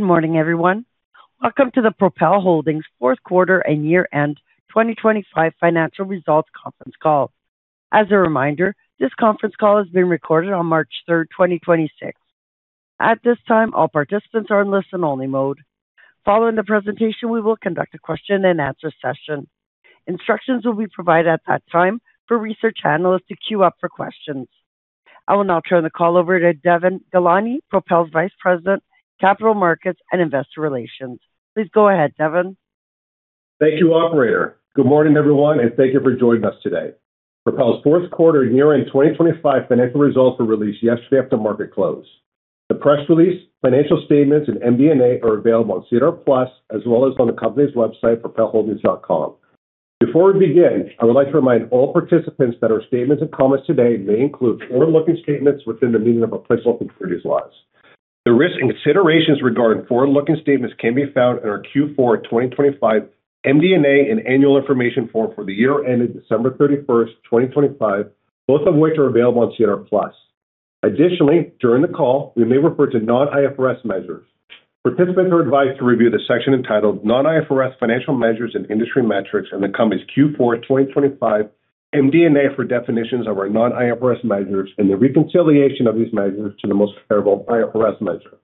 Good morning, everyone. Welcome to the Propel Holdings fourth quarter and year-end 2025 financial results conference call. As a reminder, this conference call is being recorded on March 3rd, 2026. At this time, all participants are in listen-only mode. Following the presentation, we will conduct a question-and-answer session. Instructions will be provided at that time for research analysts to queue up for questions. I will now turn the call over to Devon Ghelani, Propel's Vice President, Capital Markets and Investor Relations. Please go ahead, Devon. Thank you, operator. Good morning, everyone, and thank you for joining us today. Propel's fourth quarter and year-end 2025 financial results were released yesterday after market close. The press release, financial statements, and MD&A are available on SEDAR+ as well as on the company's website, propelholdings.com. Before we begin, I would like to remind all participants that our statements and comments today may include forward-looking statements within the meaning of applicable securities laws. The risks and considerations regarding forward-looking statements can be found in our Q4 of 2025 MD&A and annual information form for the year ended December 31st, 2025, both of which are available on SEDAR+. Additionally, during the call, we may refer to non-IFRS measures. Participants are advised to review the section entitled Non-IFRS Financial Measures and Industry Metrics in the company's Q4 of 2025 MD&A for definitions of our non-IFRS measures and the reconciliation of these measures to the most comparable IFRS measure.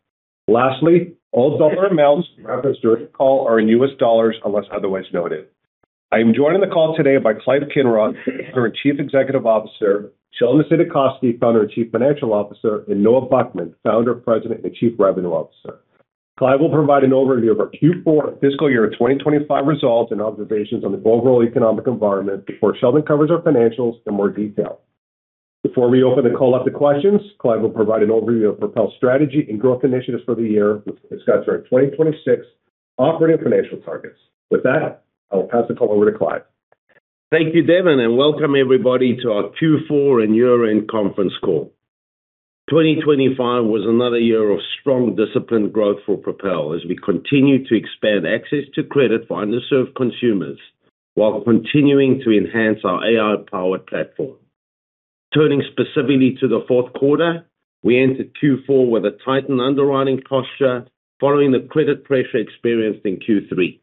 Lastly, all dollar amounts referenced during the call are in U.S. dollars unless otherwise noted. I am joined on the call today by Clive Kinross, our Chief Executive Officer, Sheldon Saidakovsky, Founder and Chief Financial Officer, and Noah Buchman, Founder, President and Chief Revenue Officer. Clive will provide an overview of our Q4 fiscal year 2025 results and observations on the overall economic environment before Sheldon covers our financials in more detail. Before we open the call up to questions, Clive will provide an overview of Propel's strategy and growth initiatives for the year, which discuss our 2026 operating financial targets. With that, I will pass the call over to Clive. Thank you, Devon, welcome everybody to our Q4 and year-end conference call. 2025 was another year of strong disciplined growth for Propel as we continued to expand access to credit for underserved consumers while continuing to enhance our AI-powered platform. Turning specifically to the fourth quarter, we entered Q4 with a tightened underwriting posture following the credit pressure experienced in Q3.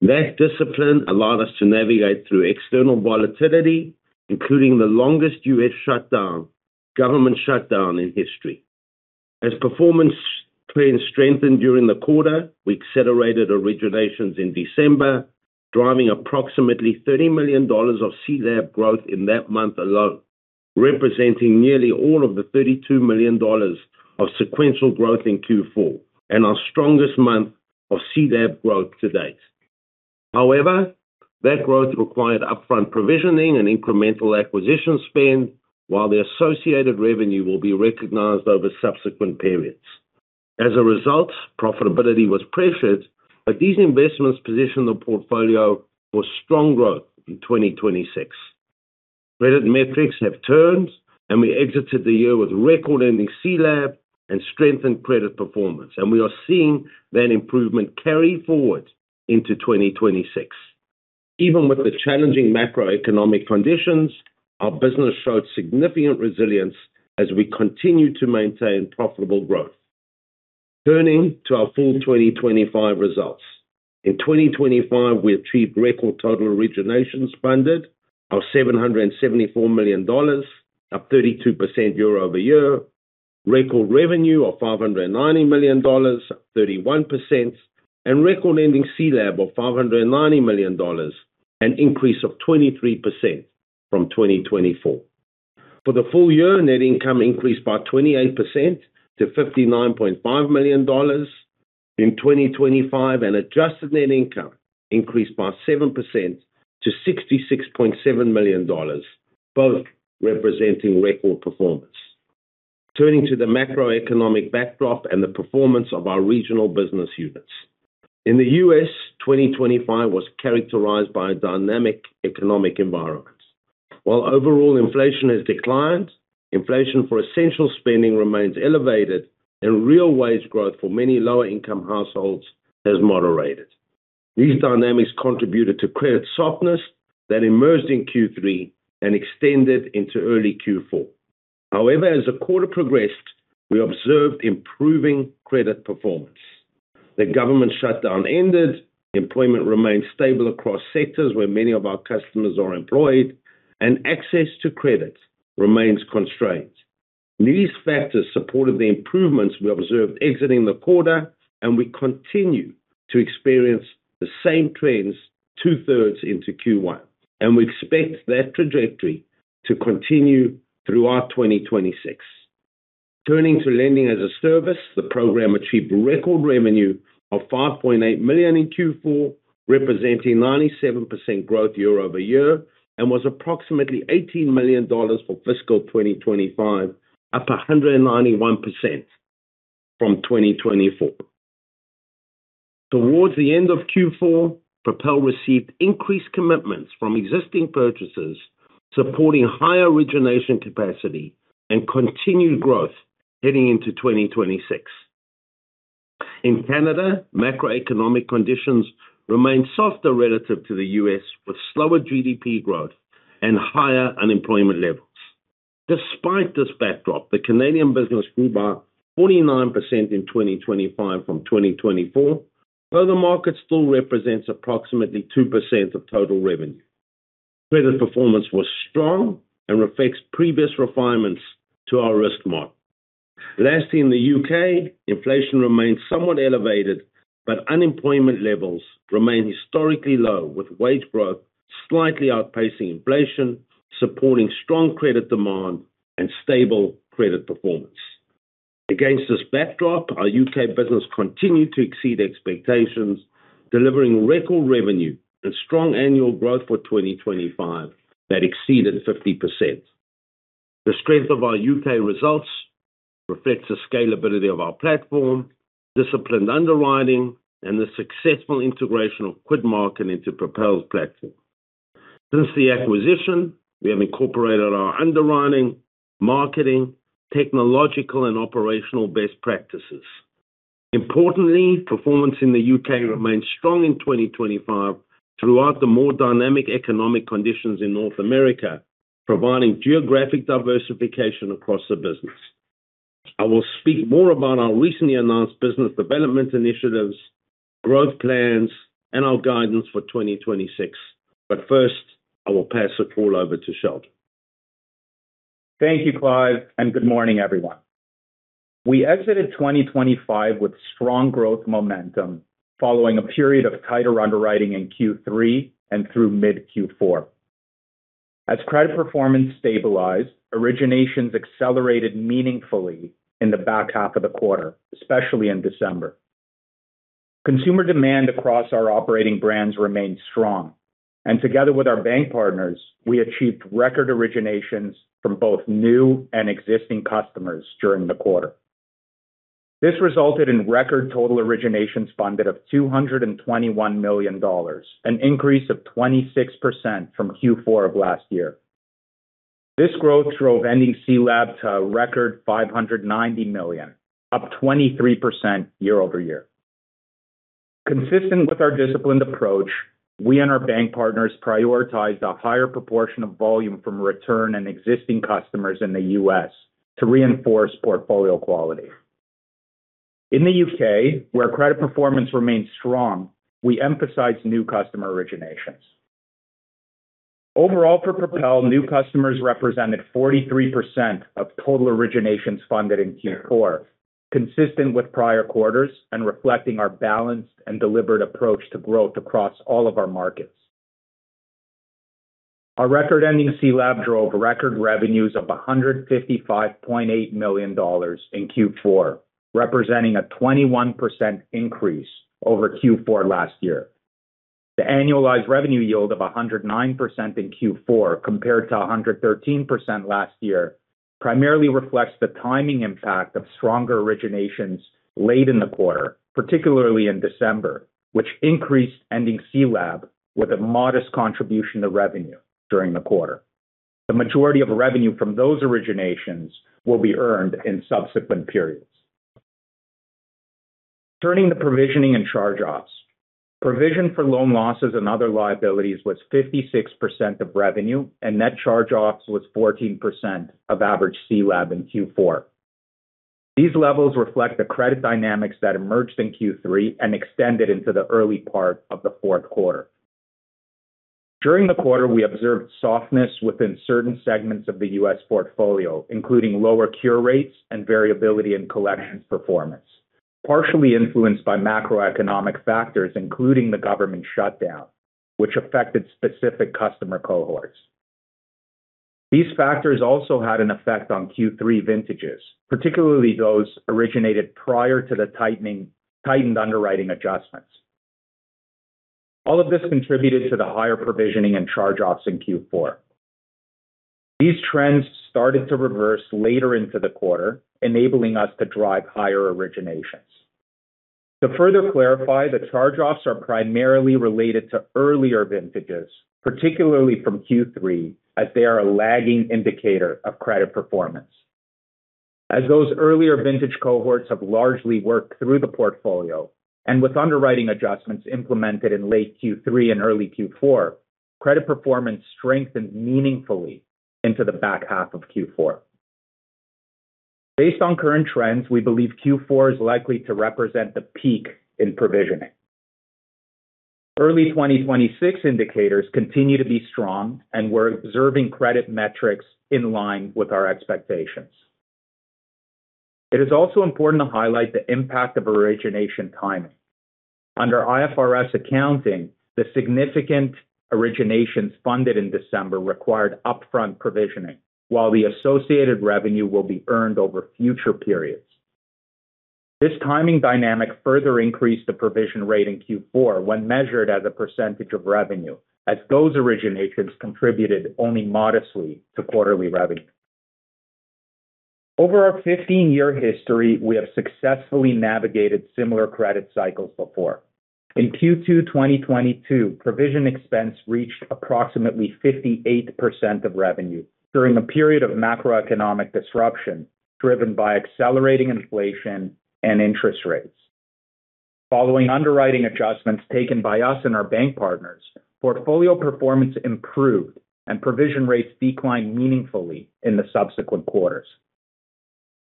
That discipline allowed us to navigate through external volatility, including the longest U.S. shutdown, government shutdown in history. As performance trends strengthened during the quarter, we accelerated originations in December, driving approximately $30 million of CLAB growth in that month alone, representing nearly all of the $32 million of sequential growth in Q4 and our strongest month of CLAB growth to date. That growth required upfront provisioning and incremental acquisition spend while the associated revenue will be recognized over subsequent periods. As a result, profitability was pressured, these investments positioned the portfolio for strong growth in 2026. Credit metrics have turned, we exited the year with record ending CDAP and strengthened credit performance, we are seeing that improvement carry forward into 2026. Even with the challenging macroeconomic conditions, our business showed significant resilience as we continued to maintain profitable growth. Turning to our full 2025 results. In 2025, we achieved record total originations funded of $774 million, up 32% year-over-year, record revenue of $590 million, up 31%, and record ending CDAP of $590 million, an increase of 23% from 2024. For the full year, net income increased by 28% to $59.5 million in 2025, and adjusted net income increased by 7% to $66.7 million, both representing record performance. Turning to the macroeconomic backdrop and the performance of our regional business units. In the U.S., 2025 was characterized by a dynamic economic environment. While overall inflation has declined, inflation for essential spending remains elevated and real wage growth for many lower-income households has moderated. These dynamics contributed to credit softness that emerged in Q3 and extended into early Q4. However, as the quarter progressed, we observed improving credit performance. The government shutdown ended, employment remained stable across sectors where many of our customers are employed, and access to credit remains constrained. These factors supported the improvements we observed exiting the quarter, and we continue to experience the same trends 2/3 into Q1, and we expect that trajectory to continue throughout 2026. Turning to Lending-as-a-Service, the program achieved record revenue of $5.8 million in Q4, representing 97% growth year-over-year, and was approximately $18 million for fiscal 2025, up 191% from 2024. Towards the end of Q4, Propel received increased commitments from existing purchasers, supporting higher origination capacity and continued growth heading into 2026. In Canada, macroeconomic conditions remain softer relative to the U.S., with slower GDP growth and higher unemployment levels. Despite this backdrop, the Canadian business grew by 49% in 2025 from 2024, though the market still represents approximately 2% of total revenue. Credit performance was strong and reflects previous refinements to our risk model. In the U.K., inflation remains somewhat elevated, but unemployment levels remain historically low, with wage growth slightly outpacing inflation, supporting strong credit demand and stable credit performance. Against this backdrop, our U.K. business continued to exceed expectations, delivering record revenue and strong annual growth for 2025 that exceeded 50%. The strength of our U.K. results reflects the scalability of our platform, disciplined underwriting, and the successful integration of QuidMarket into Propel's platform. Since the acquisition, we have incorporated our underwriting, marketing, technological, and operational best practices. Importantly, performance in the U.K. remained strong in 2025 throughout the more dynamic economic conditions in North America, providing geographic diversification across the business. I will speak more about our recently announced business development initiatives, growth plans, and our guidance for 2026. First, I will pass the call over to Sheldon. Thank you, Clive, and good morning, everyone. We exited 2025 with strong growth momentum following a period of tighter underwriting in Q3 and through mid Q4. As credit performance stabilized, originations accelerated meaningfully in the back half of the quarter, especially in December. Consumer demand across our operating brands remained strong, and together with our bank partners, we achieved record originations from both new and existing customers during the quarter. This resulted in record total originations funded of $221 million, an increase of 26% from Q4 of last year. This growth drove ending CLAB to a record $590 million, up 23% year-over-year. Consistent with our disciplined approach, we and our bank partners prioritized a higher proportion of volume from return and existing customers in the U.S. to reinforce portfolio quality. In the U.K., where credit performance remains strong, we emphasize new customer originations. Overall, for Propel, new customers represented 43% of total originations funded in Q4, consistent with prior quarters and reflecting our balanced and deliberate approach to growth across all of our markets. Our record-ending CLAB drove record revenues of $155.8 million in Q4, representing a 21% increase over Q4 last year. The annualized revenue yield of 109% in Q4 compared to 113% last year primarily reflects the timing impact of stronger originations late in the quarter, particularly in December, which increased ending CLAB with a modest contribution to revenue during the quarter. The majority of revenue from those originations will be earned in subsequent periods. Turning to provisioning and charge-offs. Provision for loan losses and other liabilities was 56% of revenue. Net charge-offs was 14% of average CLAB in Q4. These levels reflect the credit dynamics that emerged in Q3 and extended into the early part of the fourth quarter. During the quarter, we observed softness within certain segments of the U.S. portfolio, including lower cure rates and variability in collections performance, partially influenced by macroeconomic factors, including the government shutdown, which affected specific customer cohorts. These factors also had an effect on Q3 vintages, particularly those originated prior to the tightened underwriting adjustments. All of this contributed to the higher provisioning and charge-offs in Q4. These trends started to reverse later into the quarter, enabling us to drive higher originations. To further clarify, the charge-offs are primarily related to earlier vintages, particularly from Q3, as they are a lagging indicator of credit performance. As those earlier vintage cohorts have largely worked through the portfolio and with underwriting adjustments implemented in late Q3 and early Q4, credit performance strengthened meaningfully into the back half of Q4. Based on current trends, we believe Q4 is likely to represent the peak in provisioning. Early 2026 indicators continue to be strong, and we're observing credit metrics in line with our expectations. It is also important to highlight the impact of origination timing. Under IFRS accounting, the significant originations funded in December required upfront provisioning while the associated revenue will be earned over future periods. This timing dynamic further increased the provision rate in Q4 when measured as a percentage of revenue, as those originations contributed only modestly to quarterly revenue. Over our 15-year history, we have successfully navigated similar credit cycles before. In Q2 2022, provision expense reached approximately 58% of revenue during a period of macroeconomic disruption driven by accelerating inflation and interest rates. Following underwriting adjustments taken by us and our bank partners, portfolio performance improved and provision rates declined meaningfully in the subsequent quarters.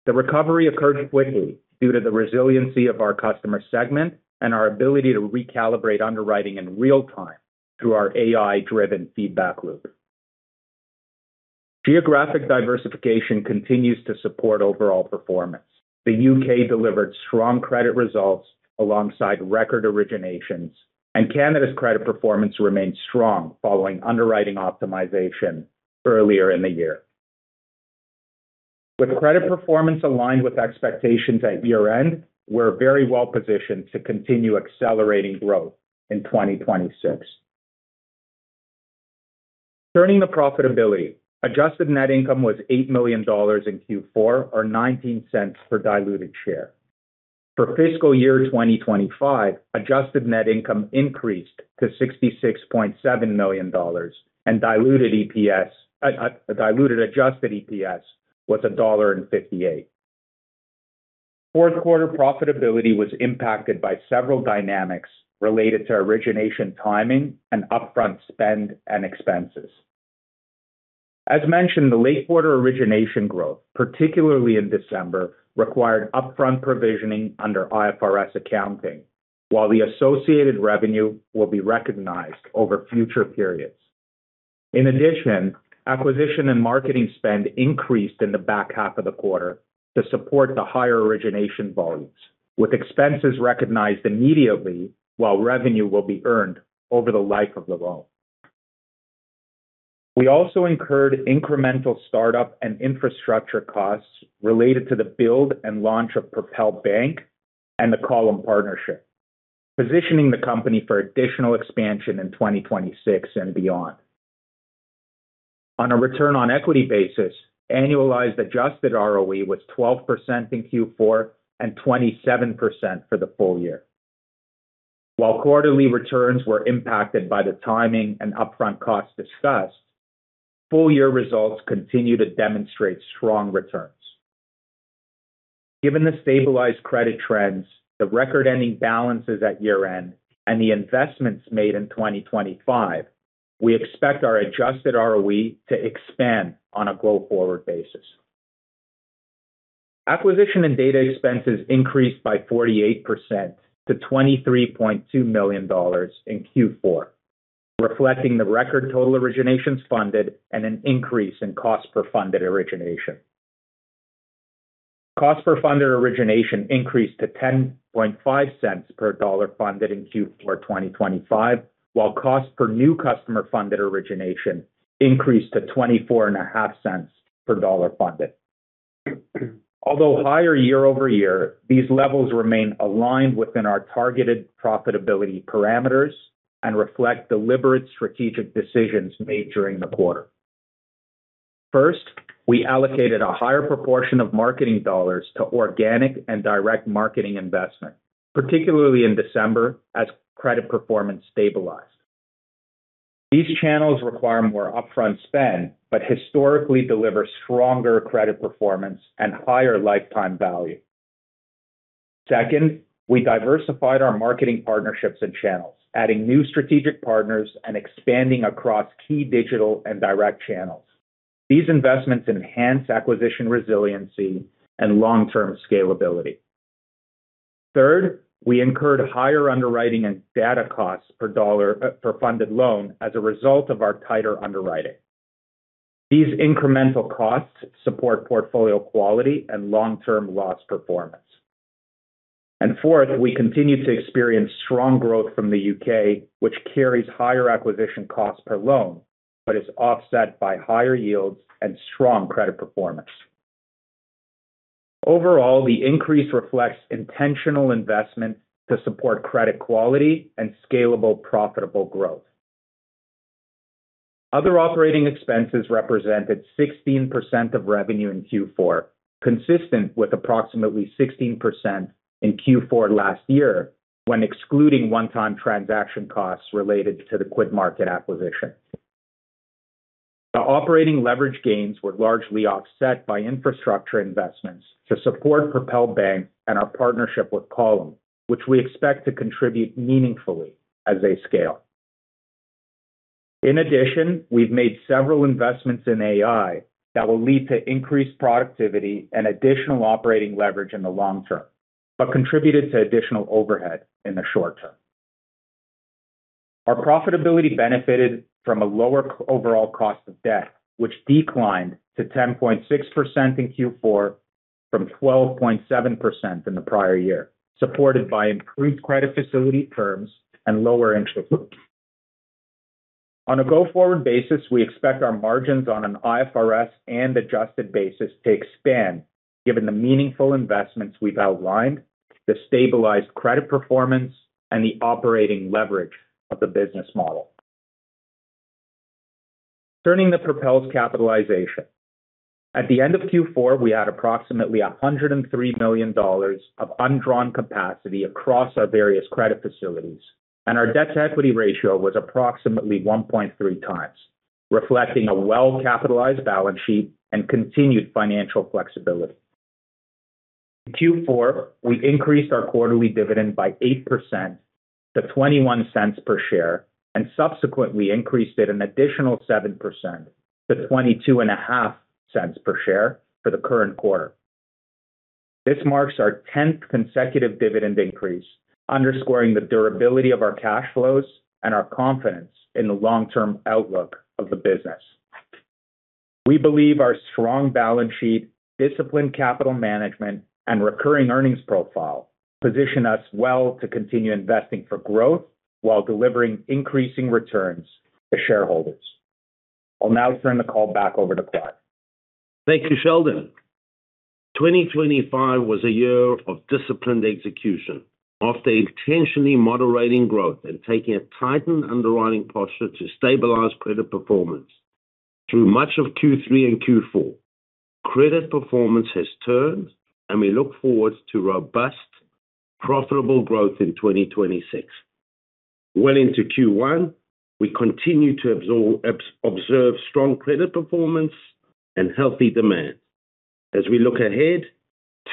The recovery occurred quickly due to the resiliency of our customer segment and our ability to recalibrate underwriting in real-time through our AI-driven feedback loop. Geographic diversification continues to support overall performance. The U.K. delivered strong credit results alongside record originations, and Canada's credit performance remained strong following underwriting optimization earlier in the year. With credit performance aligned with expectations at year-end, we're very well-positioned to continue accelerating growth in 2026. Turning to profitability. Adjusted net income was $8 million in Q4, or $0.19 per diluted share. For fiscal year 2025, adjusted net income increased to $66.7 million. Diluted Adjusted EPS was $1.58. Fourth quarter profitability was impacted by several dynamics related to origination timing and upfront spend and expenses. As mentioned, the late quarter origination growth, particularly in December, required upfront provisioning under IFRS accounting, while the associated revenue will be recognized over future periods. Acquisition and marketing spend increased in the back half of the quarter to support the higher origination volumes, with expenses recognized immediately while revenue will be earned over the life of the loan. We also incurred incremental startup and infrastructure costs related to the build and launch of Propel Bank and the Column partnership, positioning the company for additional expansion in 2026 and beyond. On a return on equity basis, annualized Adjusted ROE was 12% in Q4 and 27% for the full year. While quarterly returns were impacted by the timing and upfront costs discussed, full year results continue to demonstrate strong returns. Given the stabilized credit trends, the record-ending balances at year-end, and the investments made in 2025, we expect our Adjusted ROE to expand on a go-forward basis. Acquisition and data expenses increased by 48% to $23.2 million in Q4, reflecting the record total originations funded and an increase in cost per funded origination. Cost per funded origination increased to $0.105 per dollar funded in Q4 2025, while cost per new customer-funded origination increased to $0.245 per dollar funded. Although higher year-over-year, these levels remain aligned within our targeted profitability parameters and reflect deliberate strategic decisions made during the quarter. First, we allocated a higher proportion of marketing dollars to organic and direct marketing investment, particularly in December as credit performance stabilized. These channels require more upfront spend, historically deliver stronger credit performance and higher lifetime value. Second, we diversified our marketing partnerships and channels, adding new strategic partners and expanding across key digital and direct channels. These investments enhance acquisition resiliency and long-term scalability. Third, we incurred higher underwriting and data costs per funded loan as a result of our tighter underwriting. These incremental costs support portfolio quality and long-term loss performance. Fourth, we continue to experience strong growth from the UK, which carries higher acquisition costs per loan, but is offset by higher yields and strong credit performance. Overall, the increase reflects intentional investment to support credit quality and scalable, profitable growth. Other operating expenses represented 16% of revenue in Q4, consistent with approximately 16% in Q4 last year when excluding one-time transaction costs related to the QuidMarket acquisition. The operating leverage gains were largely offset by infrastructure investments to support Propel Bank and our partnership with Column, which we expect to contribute meaningfully as they scale. In addition, we've made several investments in AI that will lead to increased productivity and additional operating leverage in the long term, but contributed to additional overhead in the short term. Our profitability benefited from a lower overall cost of debt, which declined to 10.6% in Q4 from 12.7% in the prior year, supported by improved credit facility terms and lower interest rates. On a go-forward basis, we expect our margins on an IFRS and adjusted basis to expand given the meaningful investments we've outlined, the stabilized credit performance, and the operating leverage of the business model. Turning to Propel's capitalization. At the end of Q4, we had approximately $103 million of undrawn capacity across our various credit facilities, and our debt-to-equity ratio was approximately 1.3 times. Reflecting a well-capitalized balance sheet and continued financial flexibility. In Q4, we increased our quarterly dividend by 8% to $0.21 per share, and subsequently increased it an additional 7% to $0.225 per share for the current quarter. This marks our tenth consecutive dividend increase, underscoring the durability of our cash flows and our confidence in the long-term outlook of the business. We believe our strong balance sheet, disciplined capital management, and recurring earnings profile position us well to continue investing for growth while delivering increasing returns to shareholders. I'll now turn the call back over to Clive. Thank you, Sheldon. 2025 was a year of disciplined execution after intentionally moderating growth and taking a tightened underwriting posture to stabilize credit performance. Through much of Q3 and Q4, credit performance has turned. We look forward to robust, profitable growth in 2026. Into Q1, we continue to observe strong credit performance and healthy demand. We look ahead,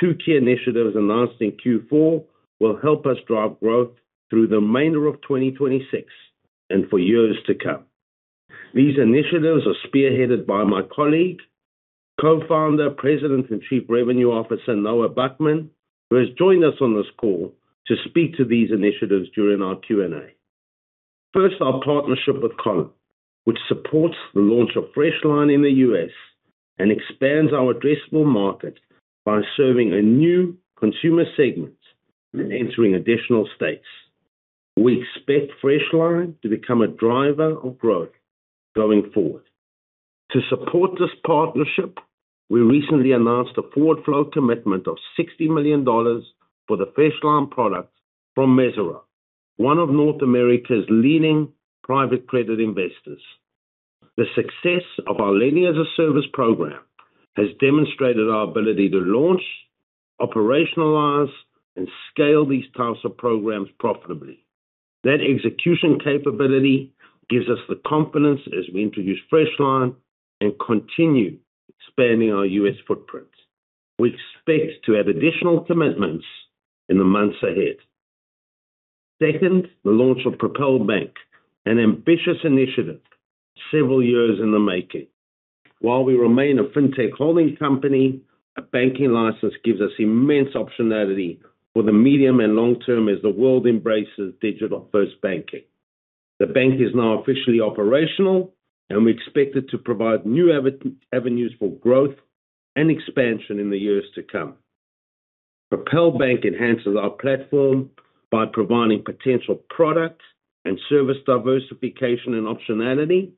two key initiatives announced in Q4 will help us drive growth through the remainder of 2026 and for years to come. These initiatives are spearheaded by my colleague, co-founder, President, and Chief Revenue Officer, Noah Buchman, who has joined us on this call to speak to these initiatives during our Q&A. Our partnership with Column, which supports the launch of Freshline in the U.S. and expands our addressable market by serving a new consumer segment and entering additional states. We expect Freshline to become a driver of growth going forward. To support this partnership, we recently announced a forward flow commitment of $60 million for the Freshline product from Mesirow, one of North America's leading private credit investors. The success of our Lending-as-a-Service program has demonstrated our ability to launch, operationalize, and scale these types of programs profitably. That execution capability gives us the confidence as we introduce Freshline and continue expanding our U.S. footprint. We expect to add additional commitments in the months ahead. Second, the launch of Propel Bank, an ambitious initiative several years in the making. While we remain a fintech holding company, a banking license gives us immense optionality for the medium and long term as the world embraces digital-first banking. The bank is now officially operational, and we expect it to provide new avenues for growth and expansion in the years to come. Propel Bank enhances our platform by providing potential product and service diversification and optionality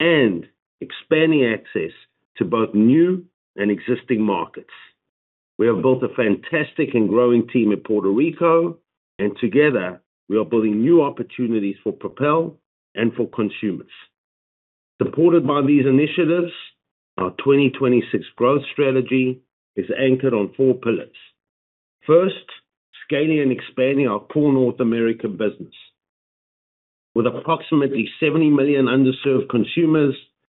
and expanding access to both new and existing markets. We have built a fantastic and growing team in Puerto Rico, together, we are building new opportunities for Propel and for consumers. Supported by these initiatives, our 2026 growth strategy is anchored on four pillars. First, scaling and expanding our core North American business. With approximately 70 million underserved consumers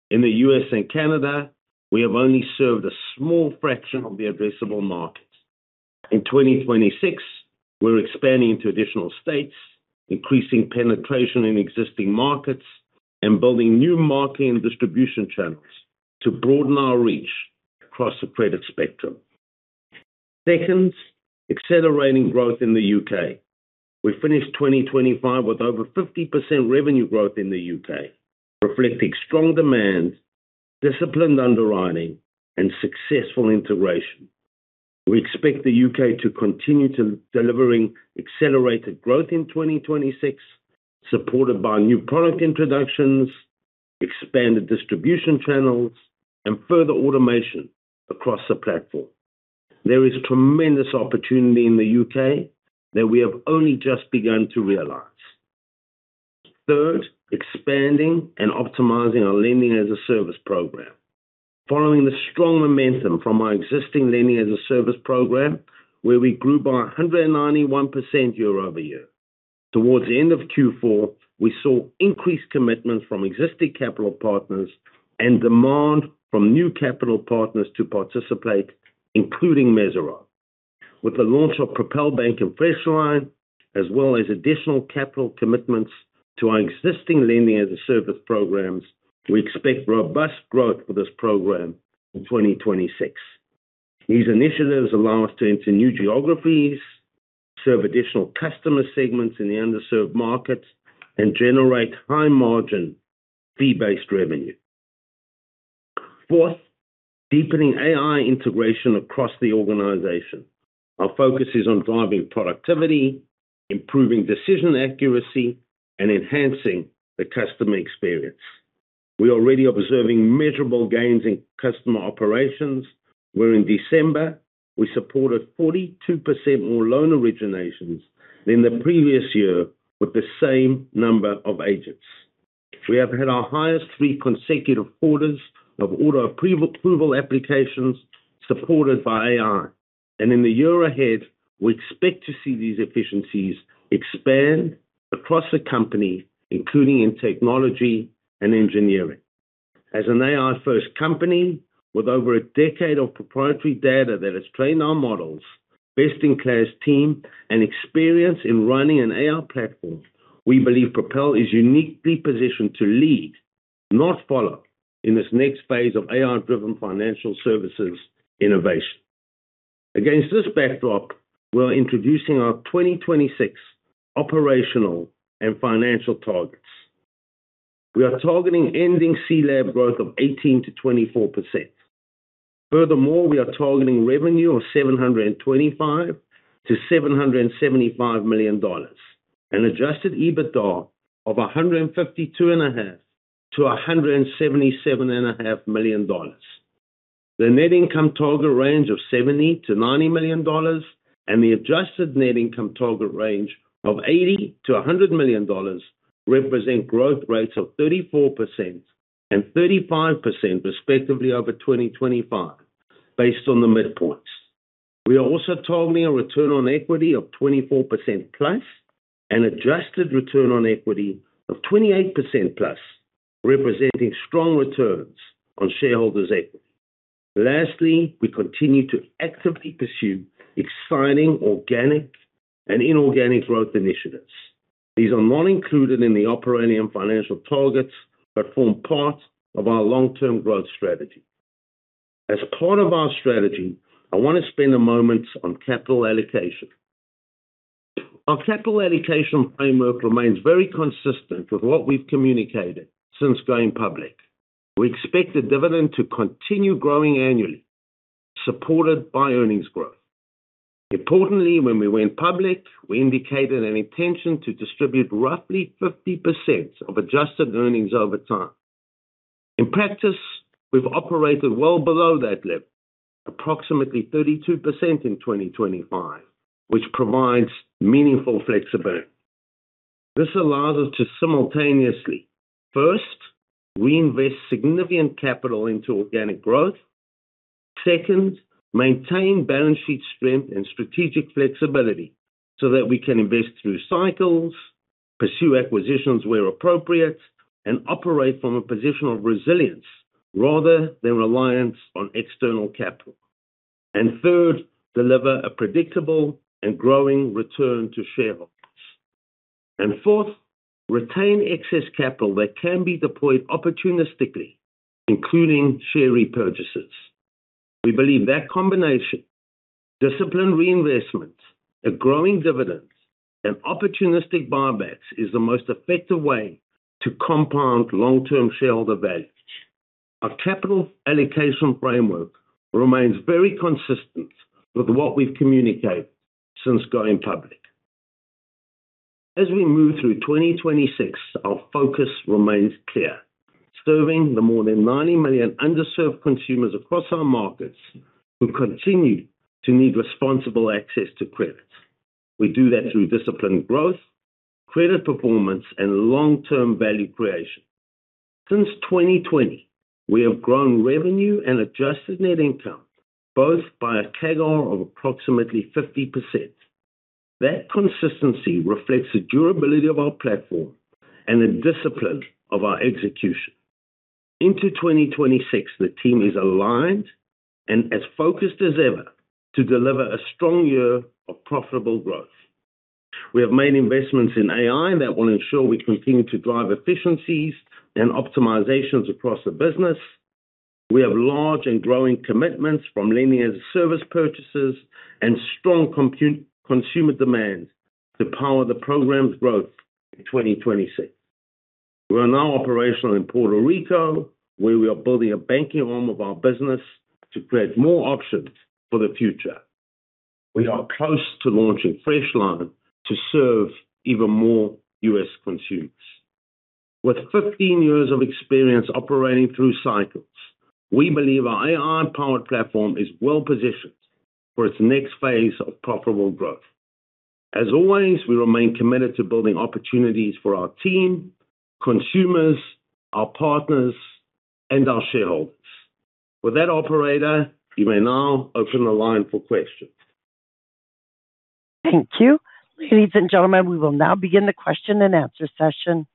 in the U.S. and Canada, we have only served a small fraction of the addressable market. In 2026, we're expanding to additional states, increasing penetration in existing markets, and building new marketing and distribution channels to broaden our reach across the credit spectrum. Second, accelerating growth in the U.K. We finished 2025 with over 50% revenue growth in the U.K., reflecting strong demand, disciplined underwriting, and successful integration. We expect the U.K. to continue to delivering accelerated growth in 2026, supported by new product introductions, expanded distribution channels, and further automation across the platform. There is tremendous opportunity in the U.K. that we have only just begun to realize. Third, expanding and optimizing our Lending-as-a-Service program. Following the strong momentum from our existing Lending-as-a-Service program, where we grew by 191% year-over-year. Towards the end of Q4, we saw increased commitments from existing capital partners and demand from new capital partners to participate, including Mesirow. With the launch of Propel Bank and Freshline, as well as additional capital commitments to our existing Lending-as-a-Service programs, we expect robust growth for this program in 2026. These initiatives allow us to enter new geographies, serve additional customer segments in the underserved markets, and generate high margin fee-based revenue. Fourth, deepening AI integration across the organization. Our focus is on driving productivity, improving decision accuracy, and enhancing the customer experience. We are already observing measurable gains in customer operations, where in December we supported 42% more loan originations than the previous year with the same number of agents. We have had our highest three consecutive quarters of auto-approval applications supported by AI. In the year ahead, we expect to see these efficiencies expand across the company, including in technology and engineering. As an AI-first company with over a decade of proprietary data that has trained our models, best-in-class team, and experience in running an AI platform, we believe Propel is uniquely positioned to lead, not follow, in this next phase of AI-driven financial services innovation. Against this backdrop, we're introducing our 2026 operational and financial targets. We are targeting ending CLAB growth of 18%-24%. We are targeting revenue of $725 million-$775 million, an Adjusted EBITDA of $152.5 million-$177.5 million. The net income target range of $70 million-$90 million and the adjusted net income target range of $80 million-$100 million represent growth rates of 34% and 35% respectively over 2025 based on the midpoints. We are also targeting a return on equity of 24%+ an adjusted return on equity of 28%+, representing strong returns on shareholders' equity. We continue to actively pursue exciting organic and inorganic growth initiatives. These are not included in the operating and financial targets but form part of our long-term growth strategy. As part of our strategy, I wanna spend a moment on capital allocation. Our capital allocation framework remains very consistent with what we've communicated since going public. We expect the dividend to continue growing annually, supported by earnings growth. Importantly, when we went public, we indicated an intention to distribute roughly 50% of adjusted earnings over time. In practice, we've operated well below that level, approximately 32% in 2025, which provides meaningful flexibility. This allows us to simultaneously, First, reinvest significant capital into organic growth. Second, maintain balance sheet strength and strategic flexibility so that we can invest through cycles, pursue acquisitions where appropriate, and operate from a position of resilience rather than reliance on external capital. Third, deliver a predictable and growing return to shareholders. Fourth, retain excess capital that can be deployed opportunistically, including share repurchases. We believe that combination, disciplined reinvestment, a growing dividend, and opportunistic buybacks is the most effective way to compound long-term shareholder value. Our capital allocation framework remains very consistent with what we've communicated since going public. As we move through 2026, our focus remains clear: serving the more than 90 million underserved consumers across our markets who continue to need responsible access to credit. We do that through disciplined growth, credit performance, and long-term value creation. Since 2020, we have grown revenue and adjusted net income both by a CAGR of approximately 50%. That consistency reflects the durability of our platform and the discipline of our execution. Into 2026, the team is aligned and as focused as ever to deliver a strong year of profitable growth. We have made investments in AI that will ensure we continue to drive efficiencies and optimizations across the business. We have large and growing commitments from Lending-as-a-Service purchases and strong consumer demand to power the program's growth in 2026. We are now operational in Puerto Rico, where we are building a banking arm of our business to create more options for the future. We are close to launching Freshline to serve even more U.S. consumers. With 15 years of experience operating through cycles, we believe our AI-powered platform is well-positioned for its next phase of profitable growth. As always, we remain committed to building opportunities for our team, consumers, our partners, and our shareholders. With that, operator, you may now open the line for questions. Thank you. Ladies and gentlemen, we will now begin the question-and-answer session.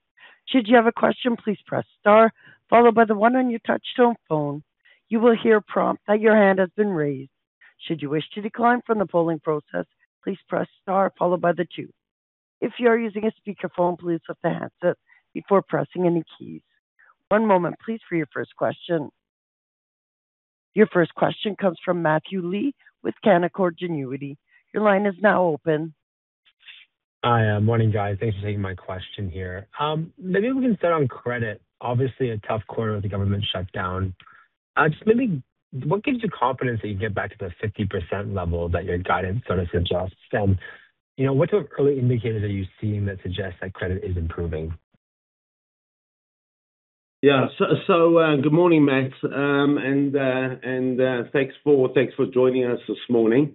Should you have a question, please press star followed by the one on your touch tone phone. You will hear a prompt that your hand has been raised. Should you wish to decline from the polling process, please press star followed by the two. If you are using a speakerphone, please lift the handset before pressing any keys. One moment please for your first question. Your first question comes from Matthew Lee with Canaccord Genuity. Your line is now open. Hi. Morning, guys. Thanks for taking my question here. Maybe we can start on credit. Obviously a tough quarter with the government shutdown. Just maybe what gives you confidence that you can get back to the 50% level that your guidance sort of suggests? You know, what sort of early indicators are you seeing that suggest that credit is improving? Good morning, Matt, and thanks for joining us this morning.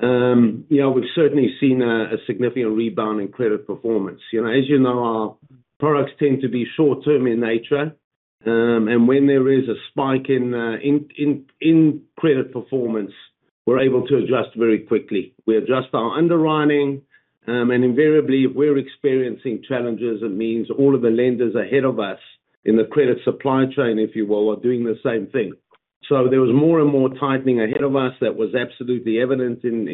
We've certainly seen a significant rebound in credit performance. You know, as you know, our products tend to be short-term in nature. When there is a spike in credit performance, we're able to adjust very quickly. We adjust our underwriting. Invariably, if we're experiencing challenges, it means all of the lenders ahead of us in the credit supply chain, if you will, are doing the same thing. There was more and more tightening ahead of us that was absolutely evident in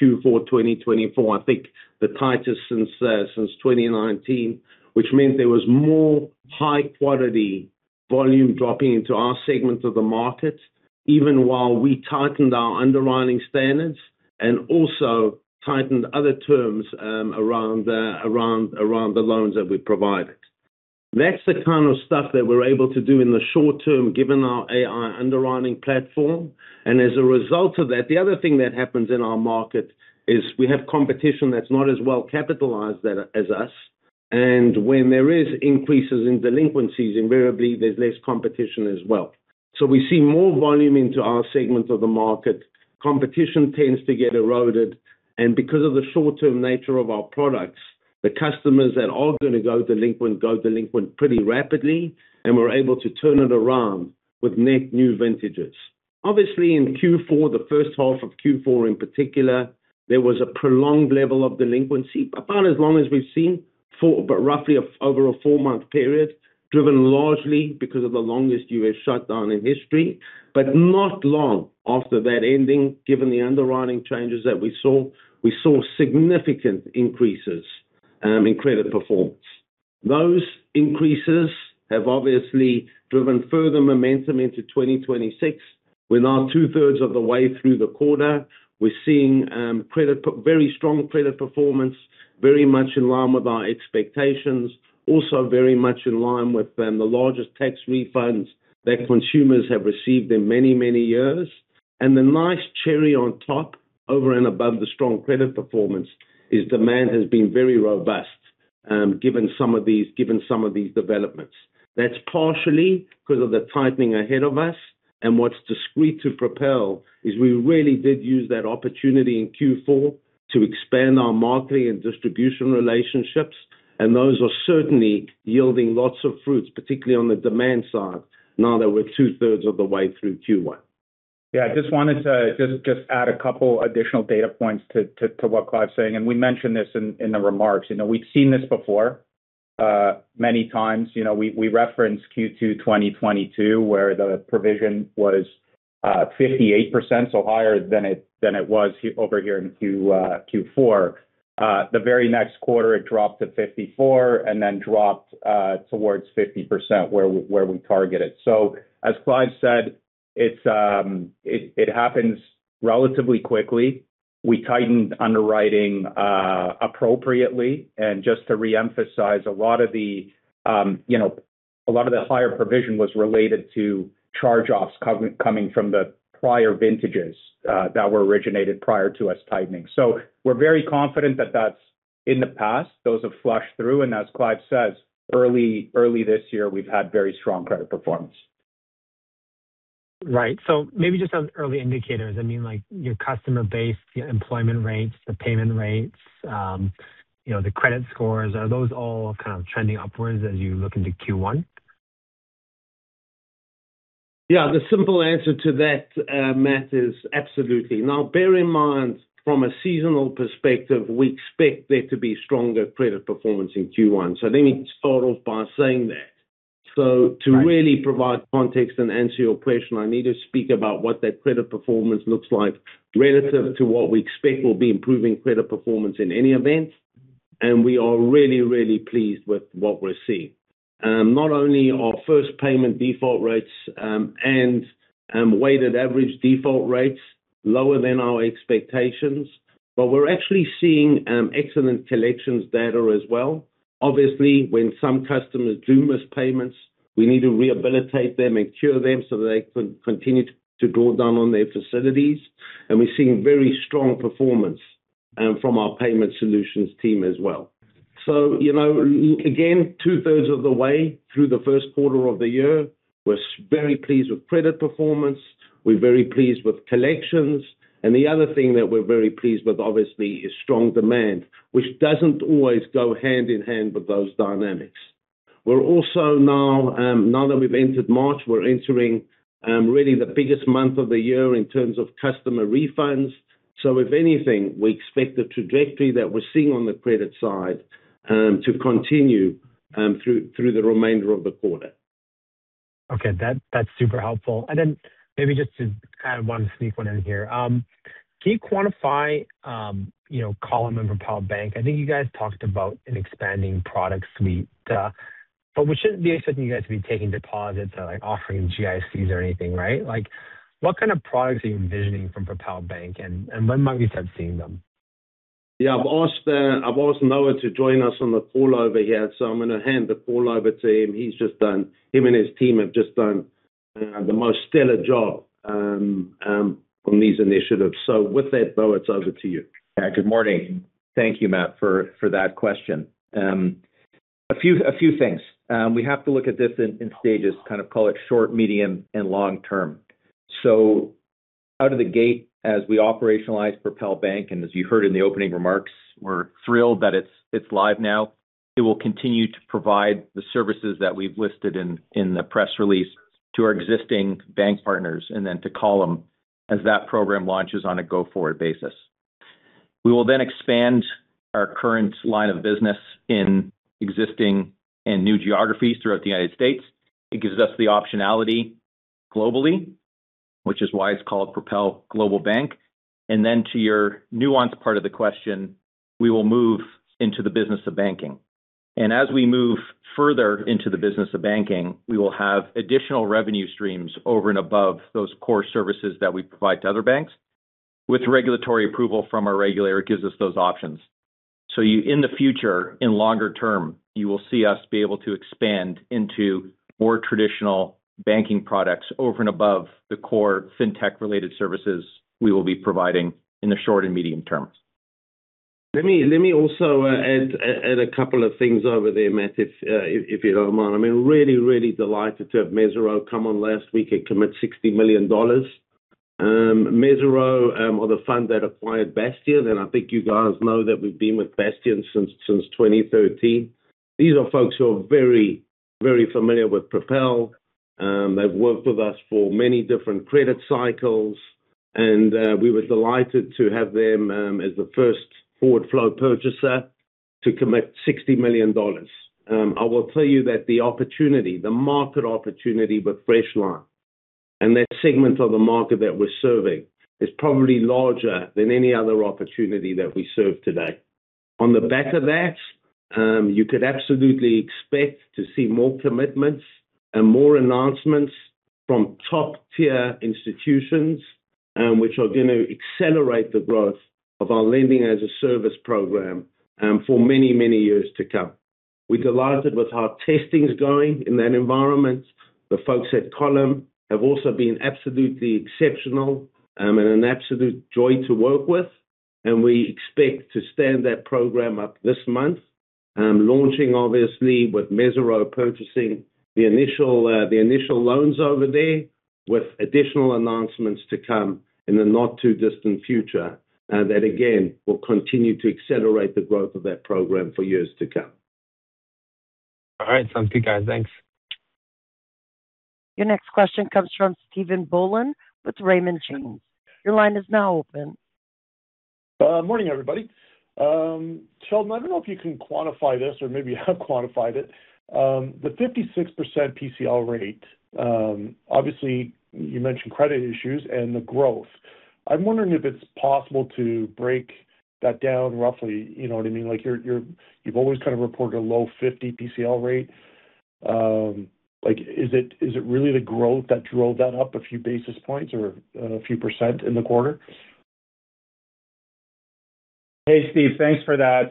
Q4 2024. I think the tightest since 2019, which meant there was more high-quality volume dropping into our segment of the market, even while we tightened our underwriting standards and also tightened other terms around the loans that we provided. That's the kind of stuff that we're able to do in the short term, given our AI underwriting platform. As a result of that, the other thing that happens in our market is we have competition that's not as well capitalized as us. When there is increases in delinquencies, invariably there's less competition as well. We see more volume into our segment of the market. Competition tends to get eroded. Because of the short-term nature of our products, the customers that are gonna go delinquent go delinquent pretty rapidly, and we're able to turn it around with net new vintages. Obviously, in Q4, the first half of Q4 in particular, there was a prolonged level of delinquency. About as long as we've seen for about roughly over a four-month period, driven largely because of the longest U.S. shutdown in history. Not long after that ending, given the underwriting changes that we saw, we saw significant increases in credit performance. Those increases have obviously driven further momentum into 2026. We're now 2/3 of the way through the quarter. We're seeing very strong credit performance, very much in line with our expectations. Also very much in line with the largest tax refunds that consumers have received in many, many years. The nice cherry on top over and above the strong credit performance is demand has been very robust, given some of these developments. That's partially because of the tightening ahead of us. What's discreet to Propel is we really did use that opportunity in Q4 to expand our marketing and distribution relationships, and those are certainly yielding lots of fruits, particularly on the demand side now that we're 2/3 of the way through Q1. Yeah. I just wanted to just add a couple additional data points to what Clive's saying. We mentioned this in the remarks. You know, we've seen this before many times. You know, we referenced Q2 2022, where the provision was 58%, so higher than it was over here in Q4. The very next quarter, it dropped to 54% and then dropped towards 50% where we targeted. As Clive said, it's, it happens relatively quickly. We tightened underwriting appropriately. Just to re-emphasize, a lot of the, you know, a lot of the higher provision was related to charge-offs coming from the prior vintages that were originated prior to us tightening. We're very confident that that's in the past. Those have flushed through, and as Clive says, early this year, we've had very strong credit performance. Right. Maybe just on early indicators, I mean, like your customer base, the employment rates, the payment rates, you know, the credit scores, are those all kind of trending upwards as you look into Q1? Yeah. The simple answer to that, Matt, is absolutely. Bear in mind, from a seasonal perspective, we expect there to be stronger credit performance in Q1. Let me start off by saying that. Right. To really provide context and answer your question, I need to speak about what that credit performance looks like relative to what we expect will be improving credit performance in any event. We are really, really pleased with what we're seeing. Not only are first payment default rates, and weighted average default rates lower than our expectations, but we're actually seeing excellent collections data as well. Obviously, when some customers do miss payments, we need to rehabilitate them and cure them so they can continue to draw down on their facilities. We're seeing very strong performance from our payment solutions team as well. You know, again, 2/3 of the way through the first quarter of the year. We're very pleased with credit performance. We're very pleased with collections. The other thing that we're very pleased with, obviously, is strong demand, which doesn't always go hand in hand with those dynamics. We're also now that we've entered March, we're entering really the biggest month of the year in terms of customer refunds. If anything, we expect the trajectory that we're seeing on the credit side to continue through the remainder of the quarter. Okay. That's super helpful. Maybe I want to sneak one in here. Can you quantify, you know, Column in Propel Bank? I think you guys talked about an expanding product suite. We shouldn't be expecting you guys to be taking deposits or like offering GICs or anything, right? Like what kind of products are you envisioning from Propel Bank and when might we start seeing them? I've asked Noah to join us on the call over here, so I'm gonna hand the call over to him. Him and his team have just done the most stellar job on these initiatives. With that, Noah, it's over to you. Good morning. Thank you, Matt, for that question. A few things. We have to look at this in stages, kind of call it short, medium, and long term. Out of the gate as we operationalize Propel Bank, and as you heard in the opening remarks, we're thrilled that it's live now. It will continue to provide the services that we've listed in the press release to our existing bank partners and then to Column as that program launches on a go-forward basis. We will expand our current line of business in existing and new geographies throughout the United States. It gives us the optionality globally, which is why it's called Propel Global Bank. To your nuanced part of the question, we will move into the business of banking. As we move further into the business of banking, we will have additional revenue streams over and above those core services that we provide to other banks. With regulatory approval from our regulator, it gives us those options. In the future, in longer term, you will see us be able to expand into more traditional banking products over and above the core fintech-related services we will be providing in the short and medium term. Let me also add a couple of things over there, Matt, if you don't mind. I mean, really delighted to have Mesirow come on last week and commit $60 million. Mesirow are the fund that acquired Bastion, and I think you guys know that we've been with Bastion since 2013. These are folks who are very familiar with Propel. They've worked with us for many different credit cycles, and we were delighted to have them as the first forward flow purchaser to commit $60 million. I will tell you that the opportunity, the market opportunity with Freshline and that segment of the market that we're serving is probably larger than any other opportunity that we serve today. On the back of that, you could absolutely expect to see more commitments and more announcements from top-tier institutions, which are gonna accelerate the growth of our Lending-as-a-Service program, for many, many years to come. We're delighted with how testing's going in that environment. The folks at Column have also been absolutely exceptional, and an absolute joy to work with. We expect to stand that program up this month, launching obviously with Mesirow purchasing the initial loans over there with additional announcements to come in the not-too-distant future, that again, will continue to accelerate the growth of that program for years to come. All right. Sounds good, guys. Thanks. Your next question comes from Stephen Boland with Raymond James. Your line is now open. Morning, everybody. Sheldon, I don't know if you can quantify this or maybe have quantified it. The 56% PCL rate, obviously you mentioned credit issues and the growth. I'm wondering if it's possible to break that down roughly, you know what I mean? You've always kind of reported a low 50% PCL rate. Is it really the growth that drove that up a few basis points or a few percent in the quarter? Hey, Steve. Thanks for that.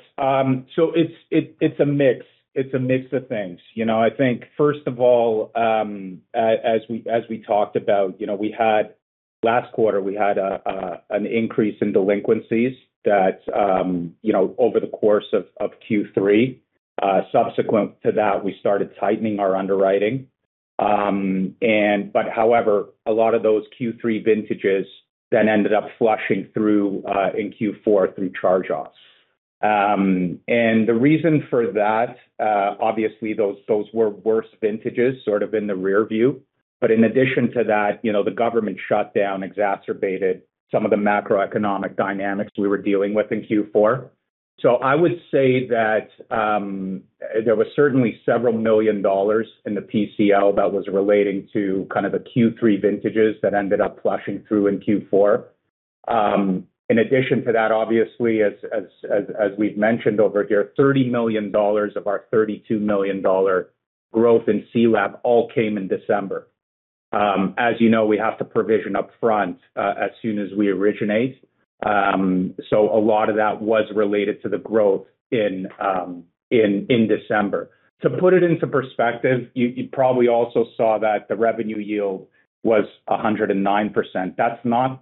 It's a mix. It's a mix of things. You know, I think first of all, as we talked about, you know, last quarter, we had an increase in delinquencies that, you know, over the course of Q3. Subsequent to that, we started tightening our underwriting. A lot of those Q3 vintages then ended up flushing through in Q4 through charge-offs. The reason for that, obviously, those were worse vintages sort of in the rear view. In addition to that, you know, the government shutdown exacerbated some of the macroeconomic dynamics we were dealing with in Q4. I would say that, there was certainly several million dollars in the PCL that was relating to kind of the Q3 vintages that ended up flushing through in Q4. In addition to that, obviously, as we've mentioned over here, $30 million of our $32 million growth in CLAB all came in December. As you know, we have to provision upfront, as soon as we originate. A lot of that was related to the growth in December. To put it into perspective, you probably also saw that the revenue yield was 109%. That's not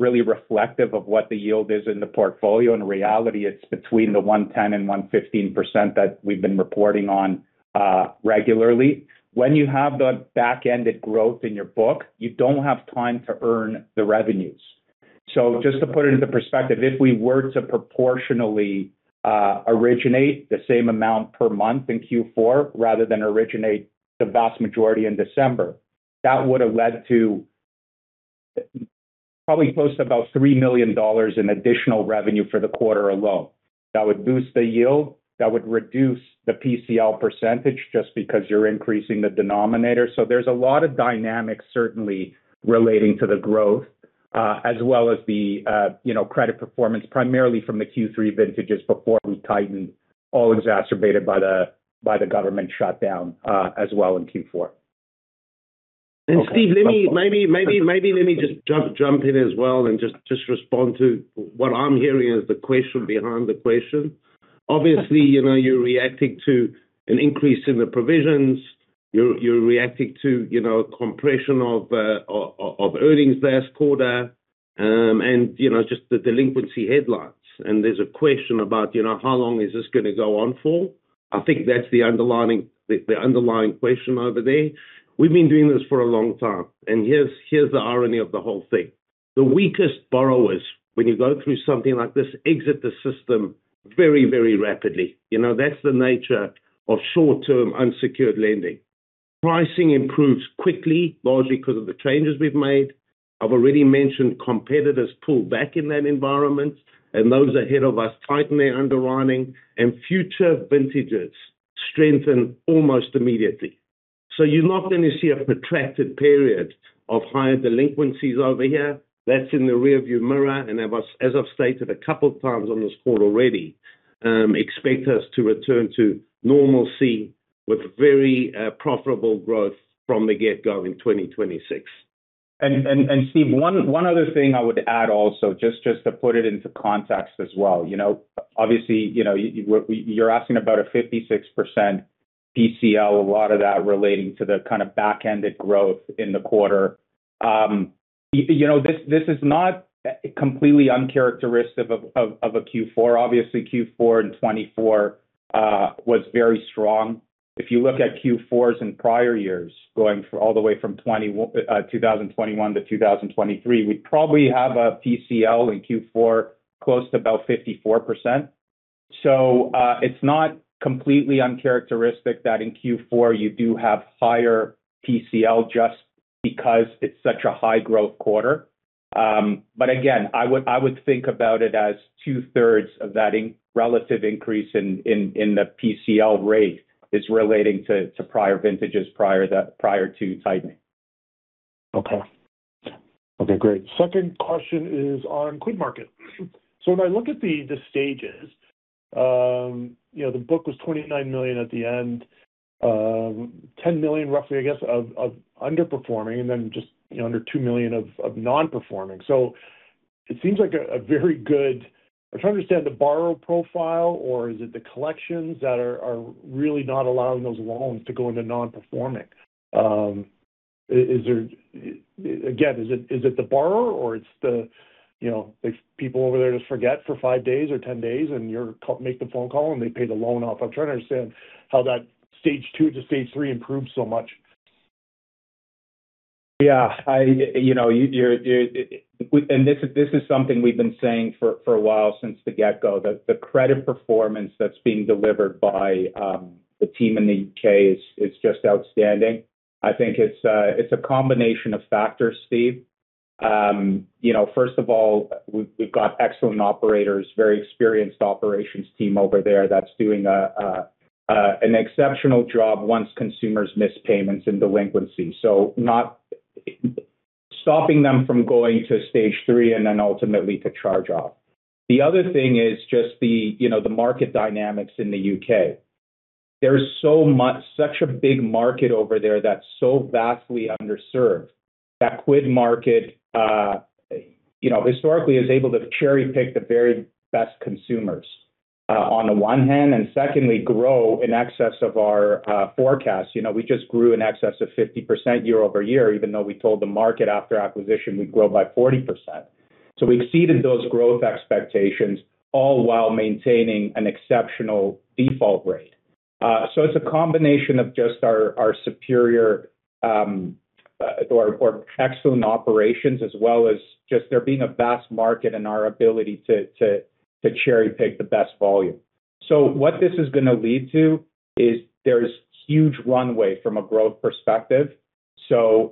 really reflective of what the yield is in the portfolio. In reality, it's between the 110%-115% that we've been reporting on, regularly. When you have the back-ended growth in your book, you don't have time to earn the revenues. Just to put it into perspective, if we were to proportionally originate the same amount per month in Q4 rather than originate the vast majority in December, that would have led to probably close to about $3 million in additional revenue for the quarter alone. That would boost the yield. That would reduce the PCL percentage just because you're increasing the denominator. There's a lot of dynamics certainly relating to the growth, as well as the, you know, credit performance primarily from the Q3 vintages before we tightened, all exacerbated by the government shutdown, as well in Q4. Stephen, let me maybe let me just jump in as well and just respond to what I'm hearing is the question behind the question. Obviously, you know, you're reacting to an increase in the provisions. You're reacting to, you know, compression of earnings last quarter. You know, just the delinquency headlines. There's a question about, you know, how long is this gonna go on for? I think that's the underlying question over there. We've been doing this for a long time, and here's the irony of the whole thing. The weakest borrowers, when you go through something like this, exit the system very rapidly. You know, that's the nature of short-term unsecured lending. Pricing improves quickly, largely 'cause of the changes we've made. I've already mentioned competitors pull back in that environment, and those ahead of us tighten their underwriting and future vintages strengthen almost immediately. You're not gonna see a protracted period of higher delinquencies over here. That's in the rearview mirror. As I've stated a couple of times on this call already, expect us to return to normalcy with very profitable growth from the get-go in 2026. Steve, other thing I would add also, to put it into context as well. You know, obviously, you know, you're asking about a 56% PCL, a lot of that relating to the kind of back-ended growth in the quarter. You know, this is not completely uncharacteristic of a Q4. Obviously, Q4 in 2024 was very strong. If you look at Q4s in prior years, going all the way from 2021-2023, we probably have a PCL in Q4 close to about 54%. It's not completely uncharacteristic that in Q4 you do have higher PCL just because it's such a high-growth quarter. Again, I would think about it as 2/3 of that relative increase in the PCL rate is relating to prior vintages prior to tightening. Okay. Okay, great. Second question is on QuidMarket. When I look at the stages, you know, the book was $29 million at the end, $10 million roughly, I guess, of underperforming and then just under $2 million of non-performing. I'm trying to understand the borrower profile or is it the collections that are really not allowing those loans to go into non-performing? Again, is it, is it the borrower or it's the, you know, if people over there just forget for five days or 10 days and you make the phone call and they pay the loan off? I'm trying to understand how that Stage 2-Stage 3 improved so much. Yeah. I, you know, you're... This is something we've been saying for a while since the get-go. The credit performance that's being delivered by the team in the U.K. is just outstanding. I think it's a combination of factors, Steve. You know, first of all, we've got excellent operators, very experienced operations team over there that's doing an exceptional job once consumers miss payments and delinquency. Not stopping them from going to Stage 3 and then ultimately to charge-off. The other thing is just the, you know, the market dynamics in the U.K. There is such a big market over there that's so vastly underserved. QuidMarket, you know, historically is able to cherry-pick the very best consumers on the one hand, secondly, grow in excess of our forecast. You know, we just grew in excess of 50% year-over-year, even though we told the market after acquisition we'd grow by 40%. We exceeded those growth expectations all while maintaining an exceptional default rate. It's a combination of just our superior or excellent operations as well as just there being a vast market and our ability to cherry-pick the best volume. What this is gonna lead to is there's huge runway from a growth perspective.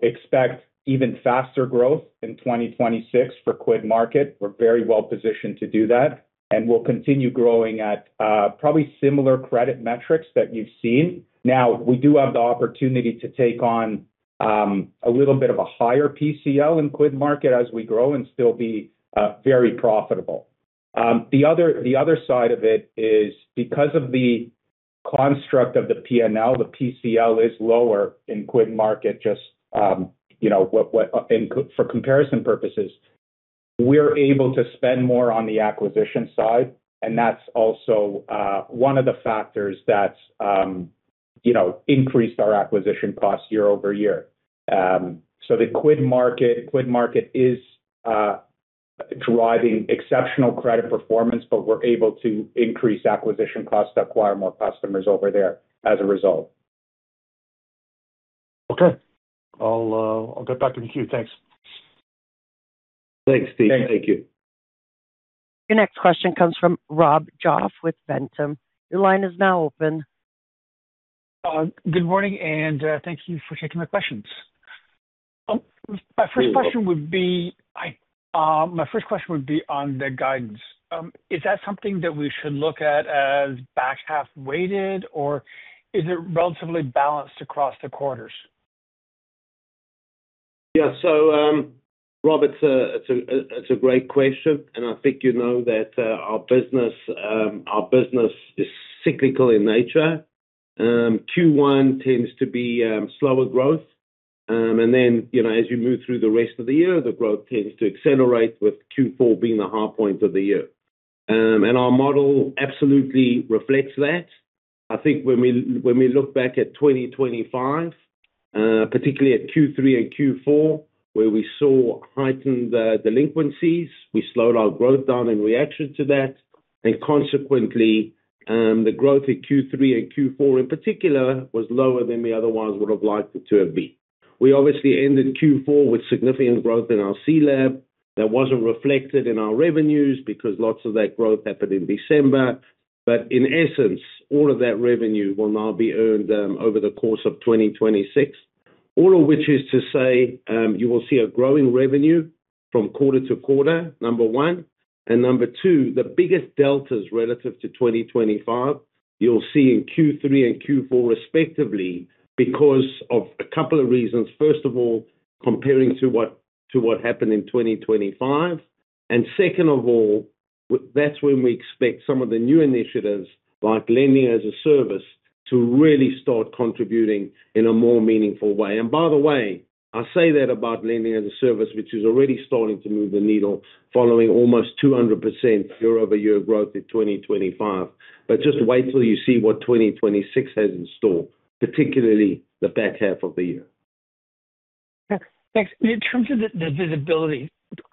Expect even faster growth in 2026 for QuidMarket. We're very well-positioned to do that, and we'll continue growing at probably similar credit metrics that you've seen. We do have the opportunity to take on a little bit of a higher PCL in QuidMarket as we grow and still be very profitable. The other side of it is because of the construct of the P&L, the PCL is lower in QuidMarket just, you know, and for comparison purposes, we're able to spend more on the acquisition side, and that's also one of the factors that, you know, increased our acquisition costs year-over-year. The QuidMarket is driving exceptional credit performance, but we're able to increase acquisition costs to acquire more customers over there as a result. Okay. I'll get back in the queue. Thanks. Thanks, Steve. Thank you. Your next question comes from Rob Goff with Ventum. Your line is now open. Good morning, and thank you for taking my questions. My first question would be on the guidance. Is that something that we should look at as back-half weighted, or is it relatively balanced across the quarters? Rob, it's a great question. I think you know that our business is cyclical in nature. Q1 tends to be slower growth. You know, as you move through the rest of the year, the growth tends to accelerate, with Q4 being the high point of the year. Our model absolutely reflects that. I think when we look back at 2025, particularly at Q3 and Q4, where we saw heightened delinquencies, we slowed our growth down in reaction to that. Consequently, the growth in Q3 and Q4 in particular was lower than we otherwise would have liked it to have been. We obviously ended Q4 with significant growth in our CLAB that wasn't reflected in our revenues because lots of that growth happened in December. In essence, all of that revenue will now be earned over the course of 2026. All of which is to say, you will see a growing revenue from quarter-to-quarter, number one. Number two, the biggest deltas relative to 2025 you'll see in Q3 and Q4 respectively because of a couple of reasons. First of all, comparing to what happened in 2025. Second of all, that's when we expect some of the new initiatives like Lending-as-a-Service to really start contributing in a more meaningful way. By the way, I say that about Lending-as-a-Service, which is already starting to move the needle following almost 200% year-over-year growth in 2025. Just wait till you see what 2026 has in store, particularly the back half of the year. Okay. Thanks. In terms of the visibility,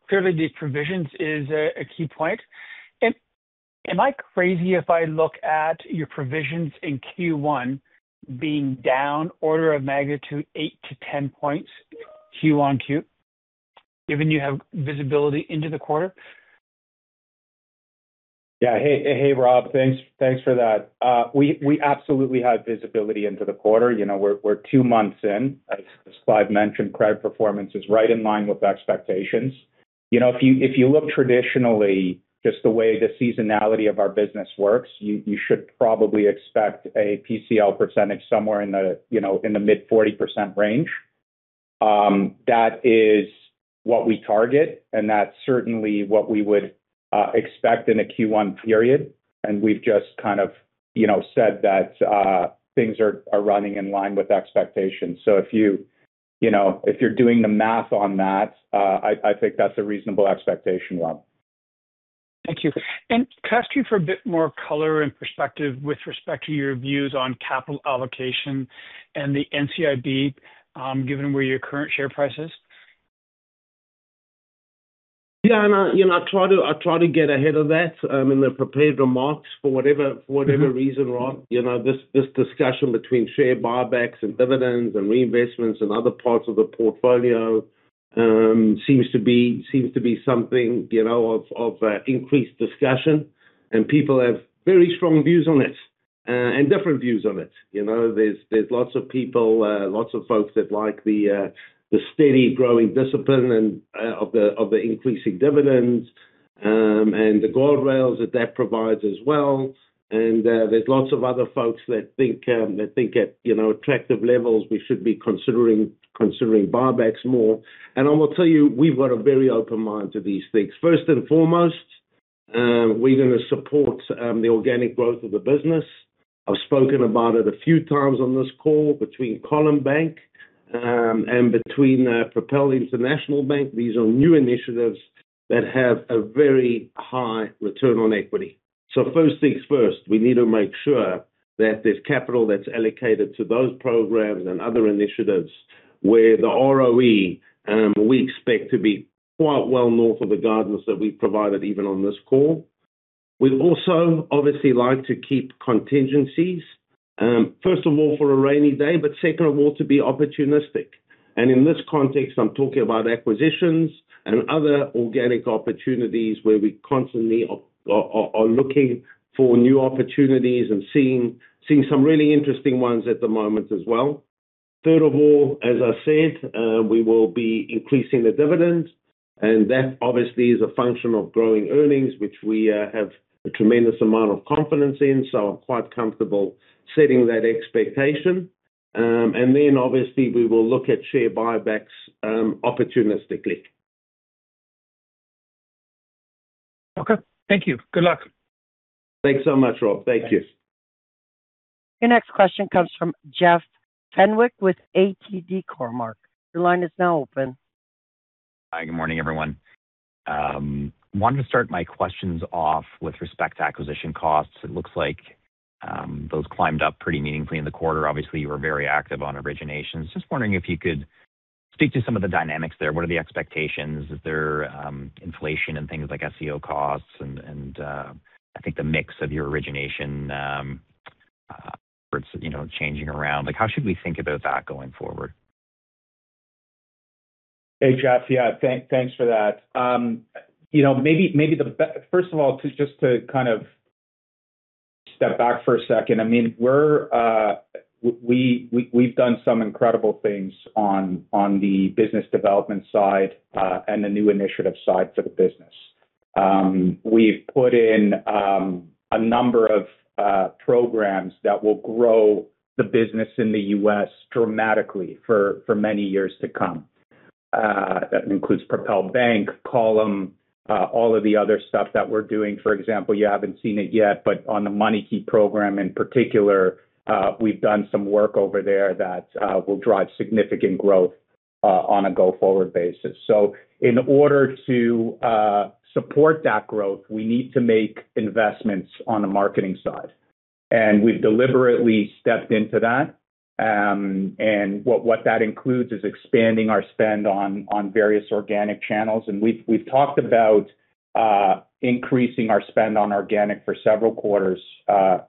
clearly these provisions is a key point. Am I crazy if I look at your provisions in Q1 being down order of magnitude 8 to 10 points Q-on-Q, given you have visibility into the quarter? Yeah. Hey, hey, Rob. Thanks, thanks for that. We, we absolutely have visibility into the quarter. You know, we're two months in. As, as Clive mentioned, credit performance is right in line with expectations. You know, if you, if you look traditionally just the way the seasonality of our business works, you should probably expect a PCL percentage somewhere in the, you know, in the mid 40% range. That is what we target, and that's certainly what we would expect in a Q1 period. We've just kind of, you know, said that things are running in line with expectations. If you know, if you're doing the math on that, I think that's a reasonable expectation, Rob. Thank you. Could I ask you for a bit more color and perspective with respect to your views on capital allocation and the NCIB given where your current share price is? Yeah. I, you know, I try to, I try to get ahead of that, in the prepared remarks for whatever, for whatever reason, Rob. You know, this discussion between share buybacks and dividends and reinvestments and other parts of the portfolio, seems to be something, you know, of increased discussion, and people have very strong views on it, and different views on it. You know, there's lots of people, lots of folks that like the steady growing discipline and of the increasing dividends, and the guardrails that that provides as well. There's lots of other folks that think at, you know, attractive levels we should be considering buybacks more. I will tell you, we've got a very open mind to these things. First and foremost, we're gonna support the organic growth of the business. I've spoken about it a few times on this call between Column Bank and between Propel International Bank. These are new initiatives that have a very high return on equity. First things first, we need to make sure that there's capital that's allocated to those programs and other initiatives where the ROE we expect to be quite well north of the guidance that we provided even on this call. We'd also obviously like to keep contingencies, first of all, for a rainy day, but second of all, to be opportunistic. In this context, I'm talking about acquisitions and other organic opportunities where we constantly are looking for new opportunities and seeing some really interesting ones at the moment as well. Third of all, as I said, we will be increasing the dividend, and that obviously is a function of growing earnings, which we have a tremendous amount of confidence in, so I'm quite comfortable setting that expectation. Then obviously we will look at share buybacks, opportunistically. Okay. Thank you. Good luck. Thanks so much, Rob. Thank you. Your next question comes from Jeff Fenwick with ATB Cormark. Your line is now open. Hi. Good morning, everyone. Wanted to start my questions off with respect to acquisition costs. It looks like those climbed up pretty meaningfully in the quarter. Obviously, you were very active on originations. Just wondering if you could speak to some of the dynamics there. What are the expectations? Is there inflation in things like SEO costs and, I think the mix of your origination, you know, changing around? Like, how should we think about that going forward? Hey, Jeff. Yeah. Thanks for that. You know, maybe first of all, to just to kind of step back for a second, I mean, we've done some incredible things on the business development side and the new initiative side for the business. We've put in a number of programs that will grow the business in the U.S. dramatically for many years to come. That includes Propel Bank, Column, all of the other stuff that we're doing. For example, you haven't seen it yet, but on the MoneyKey program in particular, we've done some work over there that will drive significant growth on a go-forward basis. In order to support that growth, we need to make investments on the marketing side. We've deliberately stepped into that. What that includes is expanding our spend on various organic channels. We've talked about increasing our spend on organic for several quarters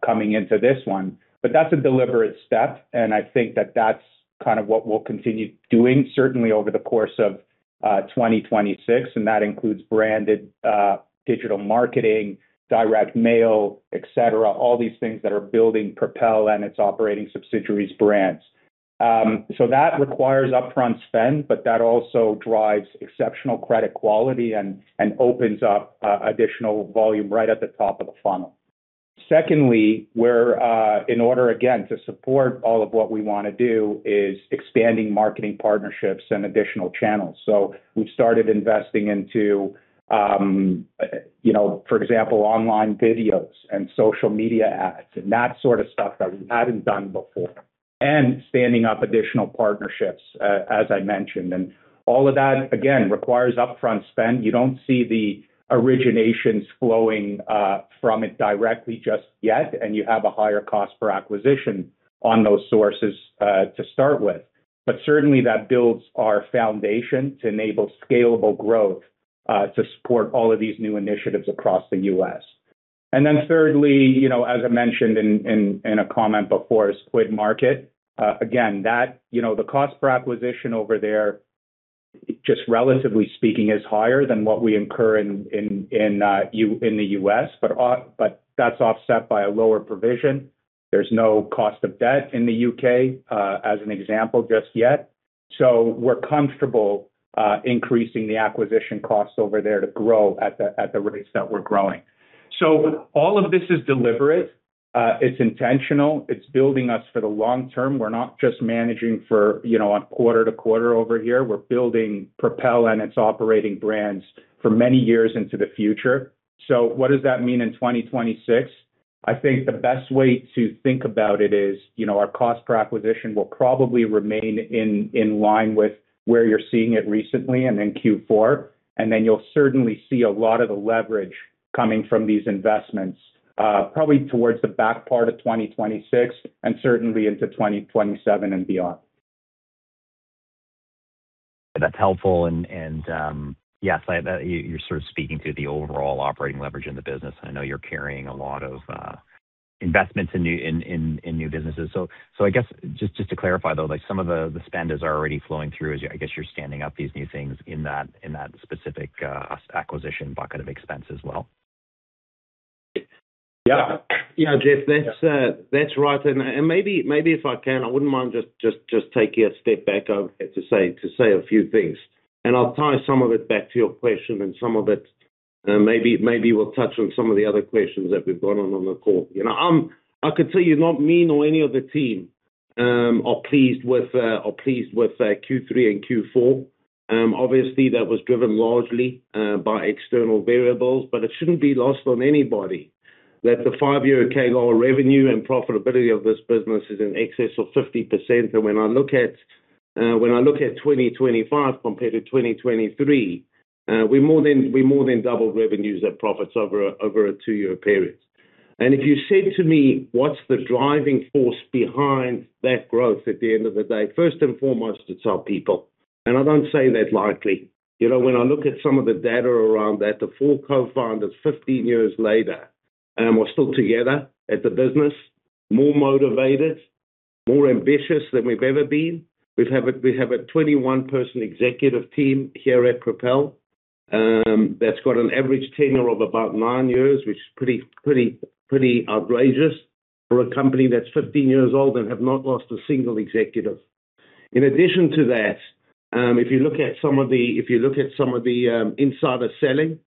coming into this one. That's a deliberate step, and I think that that's kind of what we'll continue doing certainly over the course of 2026, and that includes branded digital marketing, direct mail, etc. All these things that are building Propel and its operating subsidiaries brands. That requires upfront spend, but that also drives exceptional credit quality and opens up additional volume right at the top of the funnel. Secondly, we're in order again to support all of what we wanna do is expanding marketing partnerships and additional channels. We've started investing into, you know, for example, online videos and social media ads and that sort of stuff that we hadn't done before. Standing up additional partnerships, as I mentioned. All of that again requires upfront spend. You don't see the originations flowing from it directly just yet, and you have a higher cost for acquisition on those sources to start with. Certainly, that builds our foundation to enable scalable growth to support all of these new initiatives across the U.S. Thirdly, you know, as I mentioned in a comment before QuidMarket, again, that, you know, the cost per acquisition over there, just relatively speaking is higher than what we incur in the U.S., but that's offset by a lower provision. There's no cost of debt in the U.K. as an example just yet. We're comfortable increasing the acquisition costs over there to grow at the rates that we're growing. All of this is deliberate. It's intentional. It's building us for the long term. We're not just managing for, you know, a quarter-to-quarter over here. We're building Propel and its operating brands for many years into the future. What does that mean in 2026? I think the best way to think about it is, you know, our cost per acquisition will probably remain in line with where you're seeing it recently and in Q4. Then you'll certainly see a lot of the leverage coming from these investments probably towards the back part of 2026 and certainly into 2027 and beyond. That's helpful. Yes, that you're sort of speaking to the overall operating leverage in the business. I know you're carrying a lot of investments in new businesses. I guess just to clarify though, like some of the spend is already flowing through as I guess you're standing up these new things in that specific acquisition bucket of expense as well. Yeah. You know, Jeff, that's right. Maybe if I can, I wouldn't mind just taking a step back to say a few things. I'll tie some of it back to your question and some of it, maybe we'll touch on some of the other questions that we've got on the call. You know, I could tell you not me nor any of the team are pleased with Q3 and Q4. Obviously, that was driven largely by external variables, but it shouldn't be lost on anybody that the five-year CAGR revenue and profitability of this business is in excess of 50%. When I look at, when I look at 2025 compared to 2023, we more than doubled revenues and profits over a two-year period. If you said to me, "What's the driving force behind that growth at the end of the day?" First and foremost, it's our people. I don't say that lightly. You know, when I look at some of the data around that, the four co-founders 15 years later, we're still together at the business, more motivated, more ambitious than we've ever been. We have a 21-person executive team here at Propel that's got an average tenure of about nine years, which is pretty outrageous for a company that's 15 years old and have not lost a single executive. In addition to that, if you look at some of the, if you look at some of the insider selling,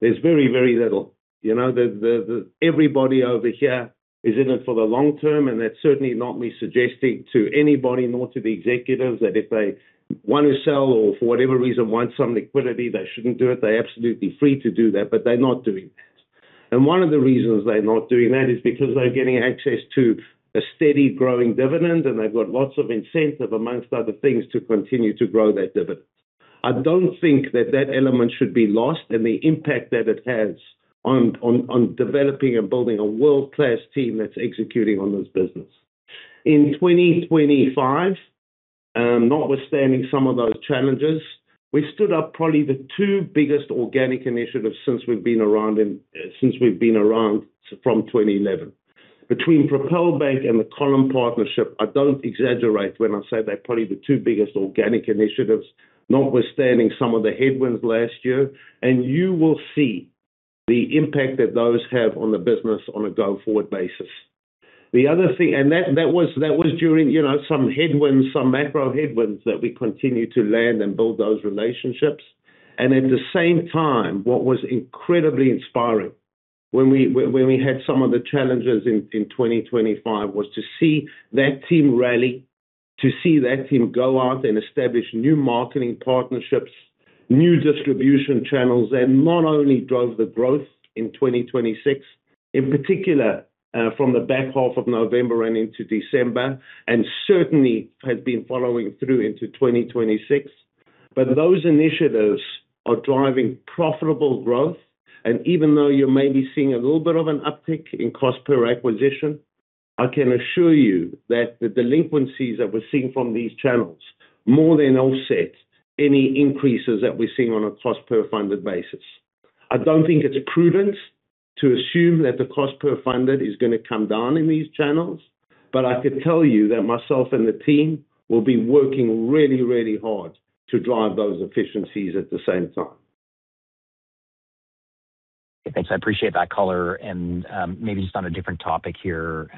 there's very little. You know, everybody over here is in it for the long term, and that's certainly not me suggesting to anybody nor to the executives that if they wanna sell or for whatever reason want some liquidity, they shouldn't do it. They're absolutely free to do that, but they're not doing that. One of the reasons they're not doing that is because they're getting access to a steady growing dividend, and they've got lots of incentive, amongst other things, to continue to grow that dividend. I don't think that that element should be lost and the impact that it has on developing and building a world-class team that's executing on this business. In 2025, notwithstanding some of those challenges, we stood up probably the two biggest organic initiatives since we've been around since we've been around from 2011. Between Propel Bank and the Column partnership, I don't exaggerate when I say they're probably the two biggest organic initiatives, notwithstanding some of the headwinds last year. You will see the impact that those have on the business on a go-forward basis. The other thing. That was during, you know, some headwinds, some macro headwinds that we continued to land and build those relationships. At the same time, what was incredibly inspiring when we had some of the challenges in 2025, was to see that team rally, to see that team go out and establish new marketing partnerships. New distribution channels that not only drove the growth in 2026, in particular, from the back half of November and into December, and certainly has been following through into 2026. Those initiatives are driving profitable growth. Even though you may be seeing a little bit of an uptick in cost per acquisition, I can assure you that the delinquencies that we're seeing from these channels more than offset any increases that we're seeing on a cost per funded basis. I don't think it's prudent to assume that the cost per funded is gonna come down in these channels. I can tell you that myself and the team will be working really, really hard to drive those efficiencies at the same time. Thanks. I appreciate that color. Maybe just on a different topic here,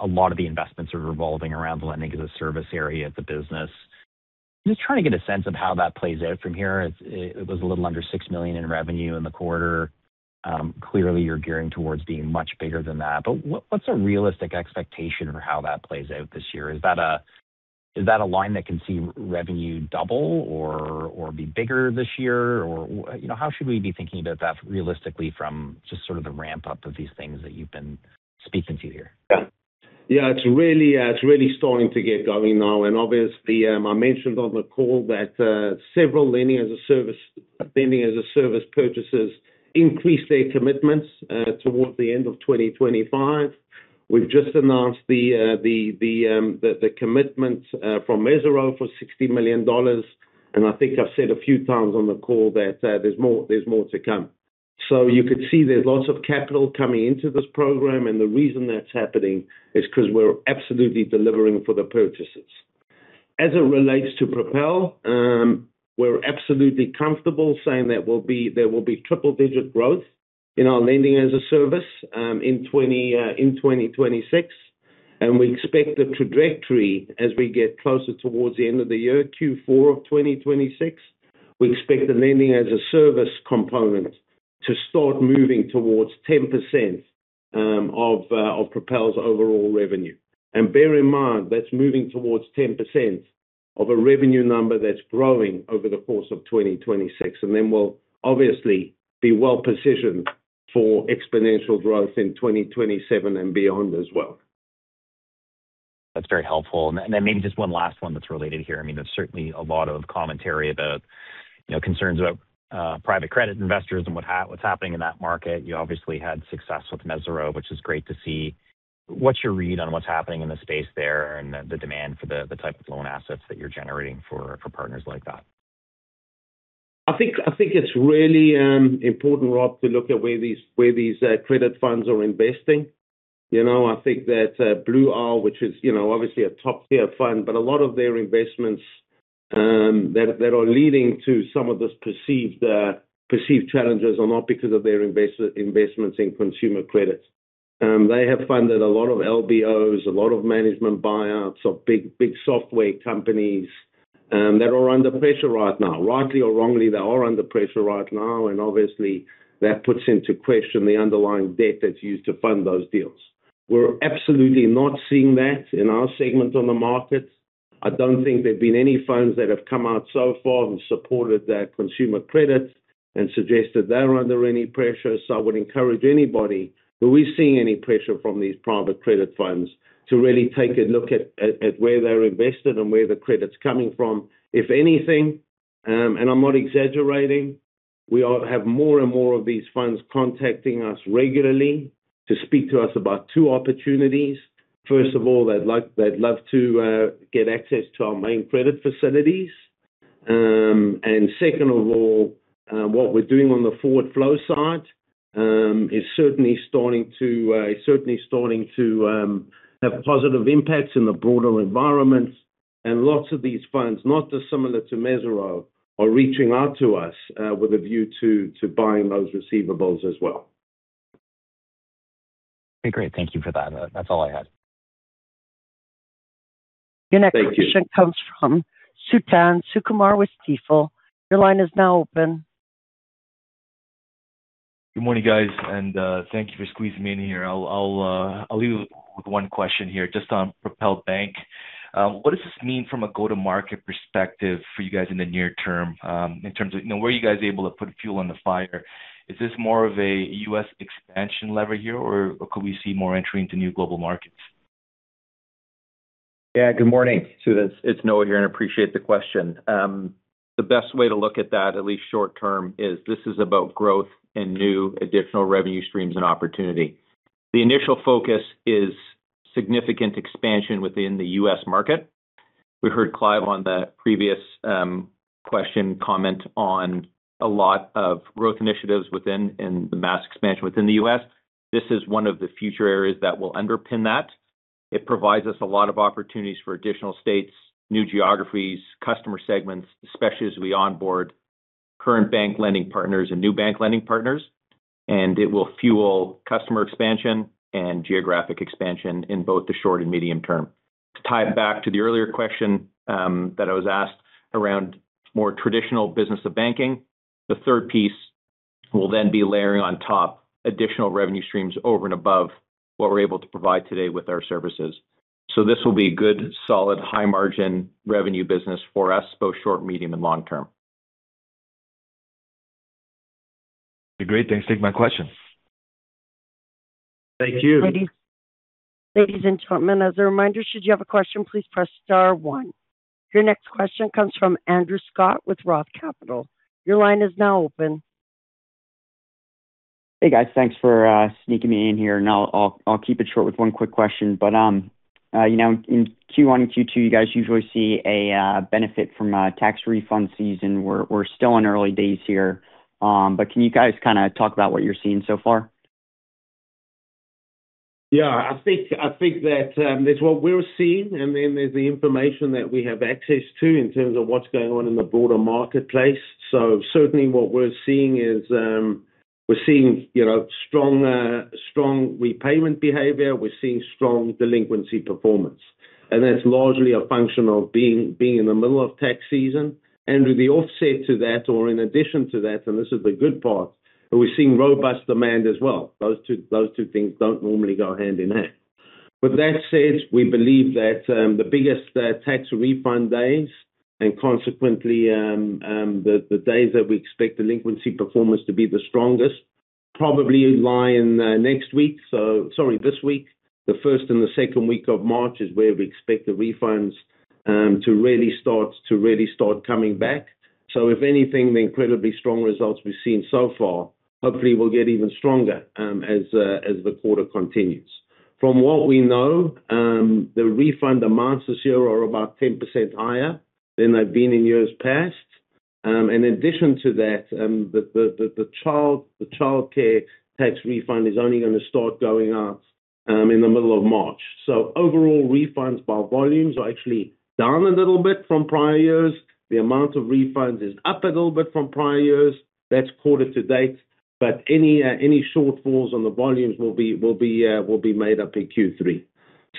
a lot of the investments are revolving around the Lending-as-a-Service area of the business. I'm just trying to get a sense of how that plays out from here. It was a little under $6 million in revenue in the quarter. Clearly you're gearing towards being much bigger than that, but what's a realistic expectation for how that plays out this year? Is that a line that can see revenue double or be bigger this year? You know, how should we be thinking about that realistically from just sort of the ramp-up of these things that you've been speaking to here? It's really starting to get going now. Obviously, I mentioned on the call that several Lending-as-a-Service purchasers increased their commitments towards the end of 2025. We've just announced the commitment from Mesirow for $60 million. I think I've said a few times on the call that there's more to come. You could see there's lots of capital coming into this program, and the reason that's happening is 'cause we're absolutely delivering for the purchasers. As it relates to Propel, we're absolutely comfortable saying there will be triple-digit growth in our Lending-as-a-Service in 2026. We expect the trajectory as we get closer towards the end of the year, Q4 of 2026, we expect the Lending-as-a-Service component to start moving towards 10% of Propel's overall revenue. Bear in mind, that's moving towards 10% of a revenue number that's growing over the course of 2026. Then we'll obviously be well-positioned for exponential growth in 2027 and beyond as well. That's very helpful. Maybe just one last one that's related here. I mean, there's certainly a lot of commentary about, you know, concerns about private credit investors and what's happening in that market. You obviously had success with Mesirow, which is great to see. What's your read on what's happening in the space there and the demand for the type of loan assets that you're generating for partners like that? I think it's really important, Rob, to look at where these credit funds are investing. You know, I think that Blue Owl, which is, you know, obviously a top-tier fund, but a lot of their investments that are leading to some of this perceived challenges are not because of their investments in consumer credit. They have funded a lot of LBOs, a lot of management buyouts of big, big software companies that are under pressure right now. Rightly or wrongly, they are under pressure right now, and obviously that puts into question the underlying debt that's used to fund those deals. We're absolutely not seeing that in our segment on the market. I don't think there have been any funds that have come out so far and supported their consumer credit and suggested they're under any pressure. I would encourage anybody who is seeing any pressure from these private credit funds to really take a look at where they're invested and where the credit's coming from. If anything, and I'm not exaggerating, we all have more and more of these funds contacting us regularly to speak to us about two opportunities. First of all, they'd love to get access to our main credit facilities. And second of all, what we're doing on the forward flow side is certainly starting to have positive impacts in the broader environment. Lots of these funds, not dissimilar to Mesirow, are reaching out to us with a view to buying those receivables as well. Okay, great. Thank you for that. That's all I had. Thank you. Your next question comes from Suthan Sukumar with Stifel. Your line is now open. Good morning, guys, thank you for squeezing me in here. I'll leave you with one question here just on Propel Bank. What does this mean from a go-to-market perspective for you guys in the near term, in terms of, you know, where are you guys able to put fuel on the fire? Is this more of a U.S. expansion lever here, or could we see more entry into new global markets? Good morning, Suthan. It's Noah here. Appreciate the question. The best way to look at that, at least short term, is this is about growth and new additional revenue streams and opportunity. The initial focus is significant expansion within the U.S. market. We heard Clive on the previous question comment on a lot of growth initiatives within and the mass expansion within the U.S. This is one of the future areas that will underpin that. It provides us a lot of opportunities for additional states, new geographies, customer segments, especially as we onboard current bank lending partners and new bank lending partners. It will fuel customer expansion and geographic expansion in both the short and medium term. To tie it back to the earlier question that I was asked around more traditional business of banking, the third piece We'll then be layering on top additional revenue streams over and above what we're able to provide today with our services. This will be good, solid, high-margin revenue business for us, both short, medium, and long term. Great. Thanks. Take my question. Thank you. Ladies and gentlemen, as a reminder, should you have a question, please press star one. Your next question comes from Andrew Scott with ROTH Capital. Your line is now open. Hey, guys. Thanks for sneaking me in here. I'll keep it short with one quick question. You know, in Q1 and Q2, you guys usually see a benefit from tax refund season. We're still in early days here, but can you guys kinda talk about what you're seeing so far? Yeah. I think that there's what we're seeing and then there's the information that we have access to in terms of what's going on in the broader marketplace. Certainly what we're seeing is, we're seeing, you know, strong repayment behavior. We're seeing strong delinquency performance. That's largely a function of being in the middle of tax season. With the offset to that or in addition to that, and this is the good part, we're seeing robust demand as well. Those two things don't normally go hand in hand. With that said, we believe that the biggest tax refund days and consequently, the days that we expect delinquency performance to be the strongest probably lie in next week. Sorry, this week. The first and the second week of March is where we expect the refunds to really start coming back. If anything, the incredibly strong results we've seen so far hopefully will get even stronger as the quarter continues. From what we know, the refund amounts this year are about 10% higher than they've been in years past. In addition to that, the childcare tax refund is only gonna start going out in the middle of March. Overall refunds by volumes are actually down a little bit from prior years. The amount of refunds is up a little bit from prior years. That's quarter-to-date. Any shortfalls on the volumes will be made up in Q3.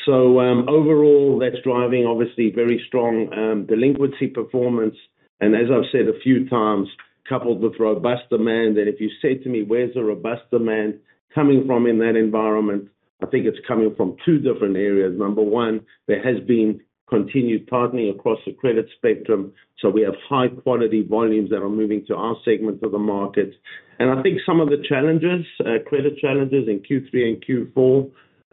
Overall, that's driving obviously very strong delinquency performance. As I've said a few times, coupled with robust demand. If you said to me, "Where's the robust demand coming from in that environment?" I think it's coming from two different areas. Number one, there has been continued partnering across the credit spectrum, so we have high-quality volumes that are moving to our segment of the market. I think some of the challenges, credit challenges in Q3 and Q4,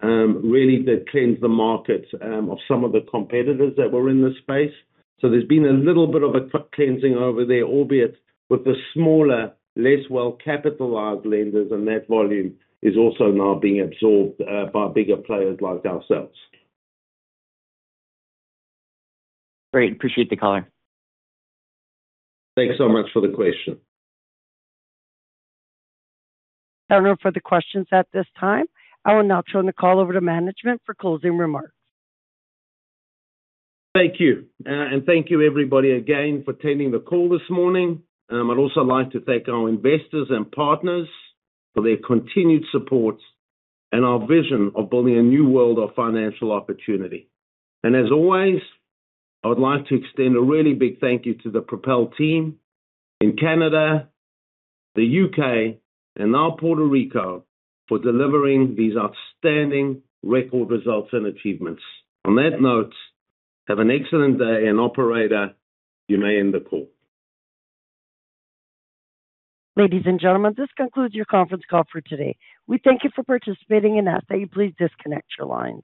really did cleanse the market of some of the competitors that were in this space. There's been a little bit of a cleansing over there, albeit with the smaller, less well-capitalized lenders, and that volume is also now being absorbed by bigger players like ourselves. Great. Appreciate the color. Thanks so much for the question. No further questions at this time. I will now turn the call over to management for closing remarks. Thank you. Thank you everybody again for taking the call this morning. I'd also like to thank our investors and partners for their continued support and our vision of building a new world of financial opportunity. As always, I would like to extend a really big thank you to the Propel team in Canada, the U.K., and now Puerto Rico, for delivering these outstanding record results and achievements. On that note, have an excellent day. Operator, you may end the call. Ladies and gentlemen, this concludes your conference call for today. We thank you for participating and ask that you please disconnect your lines.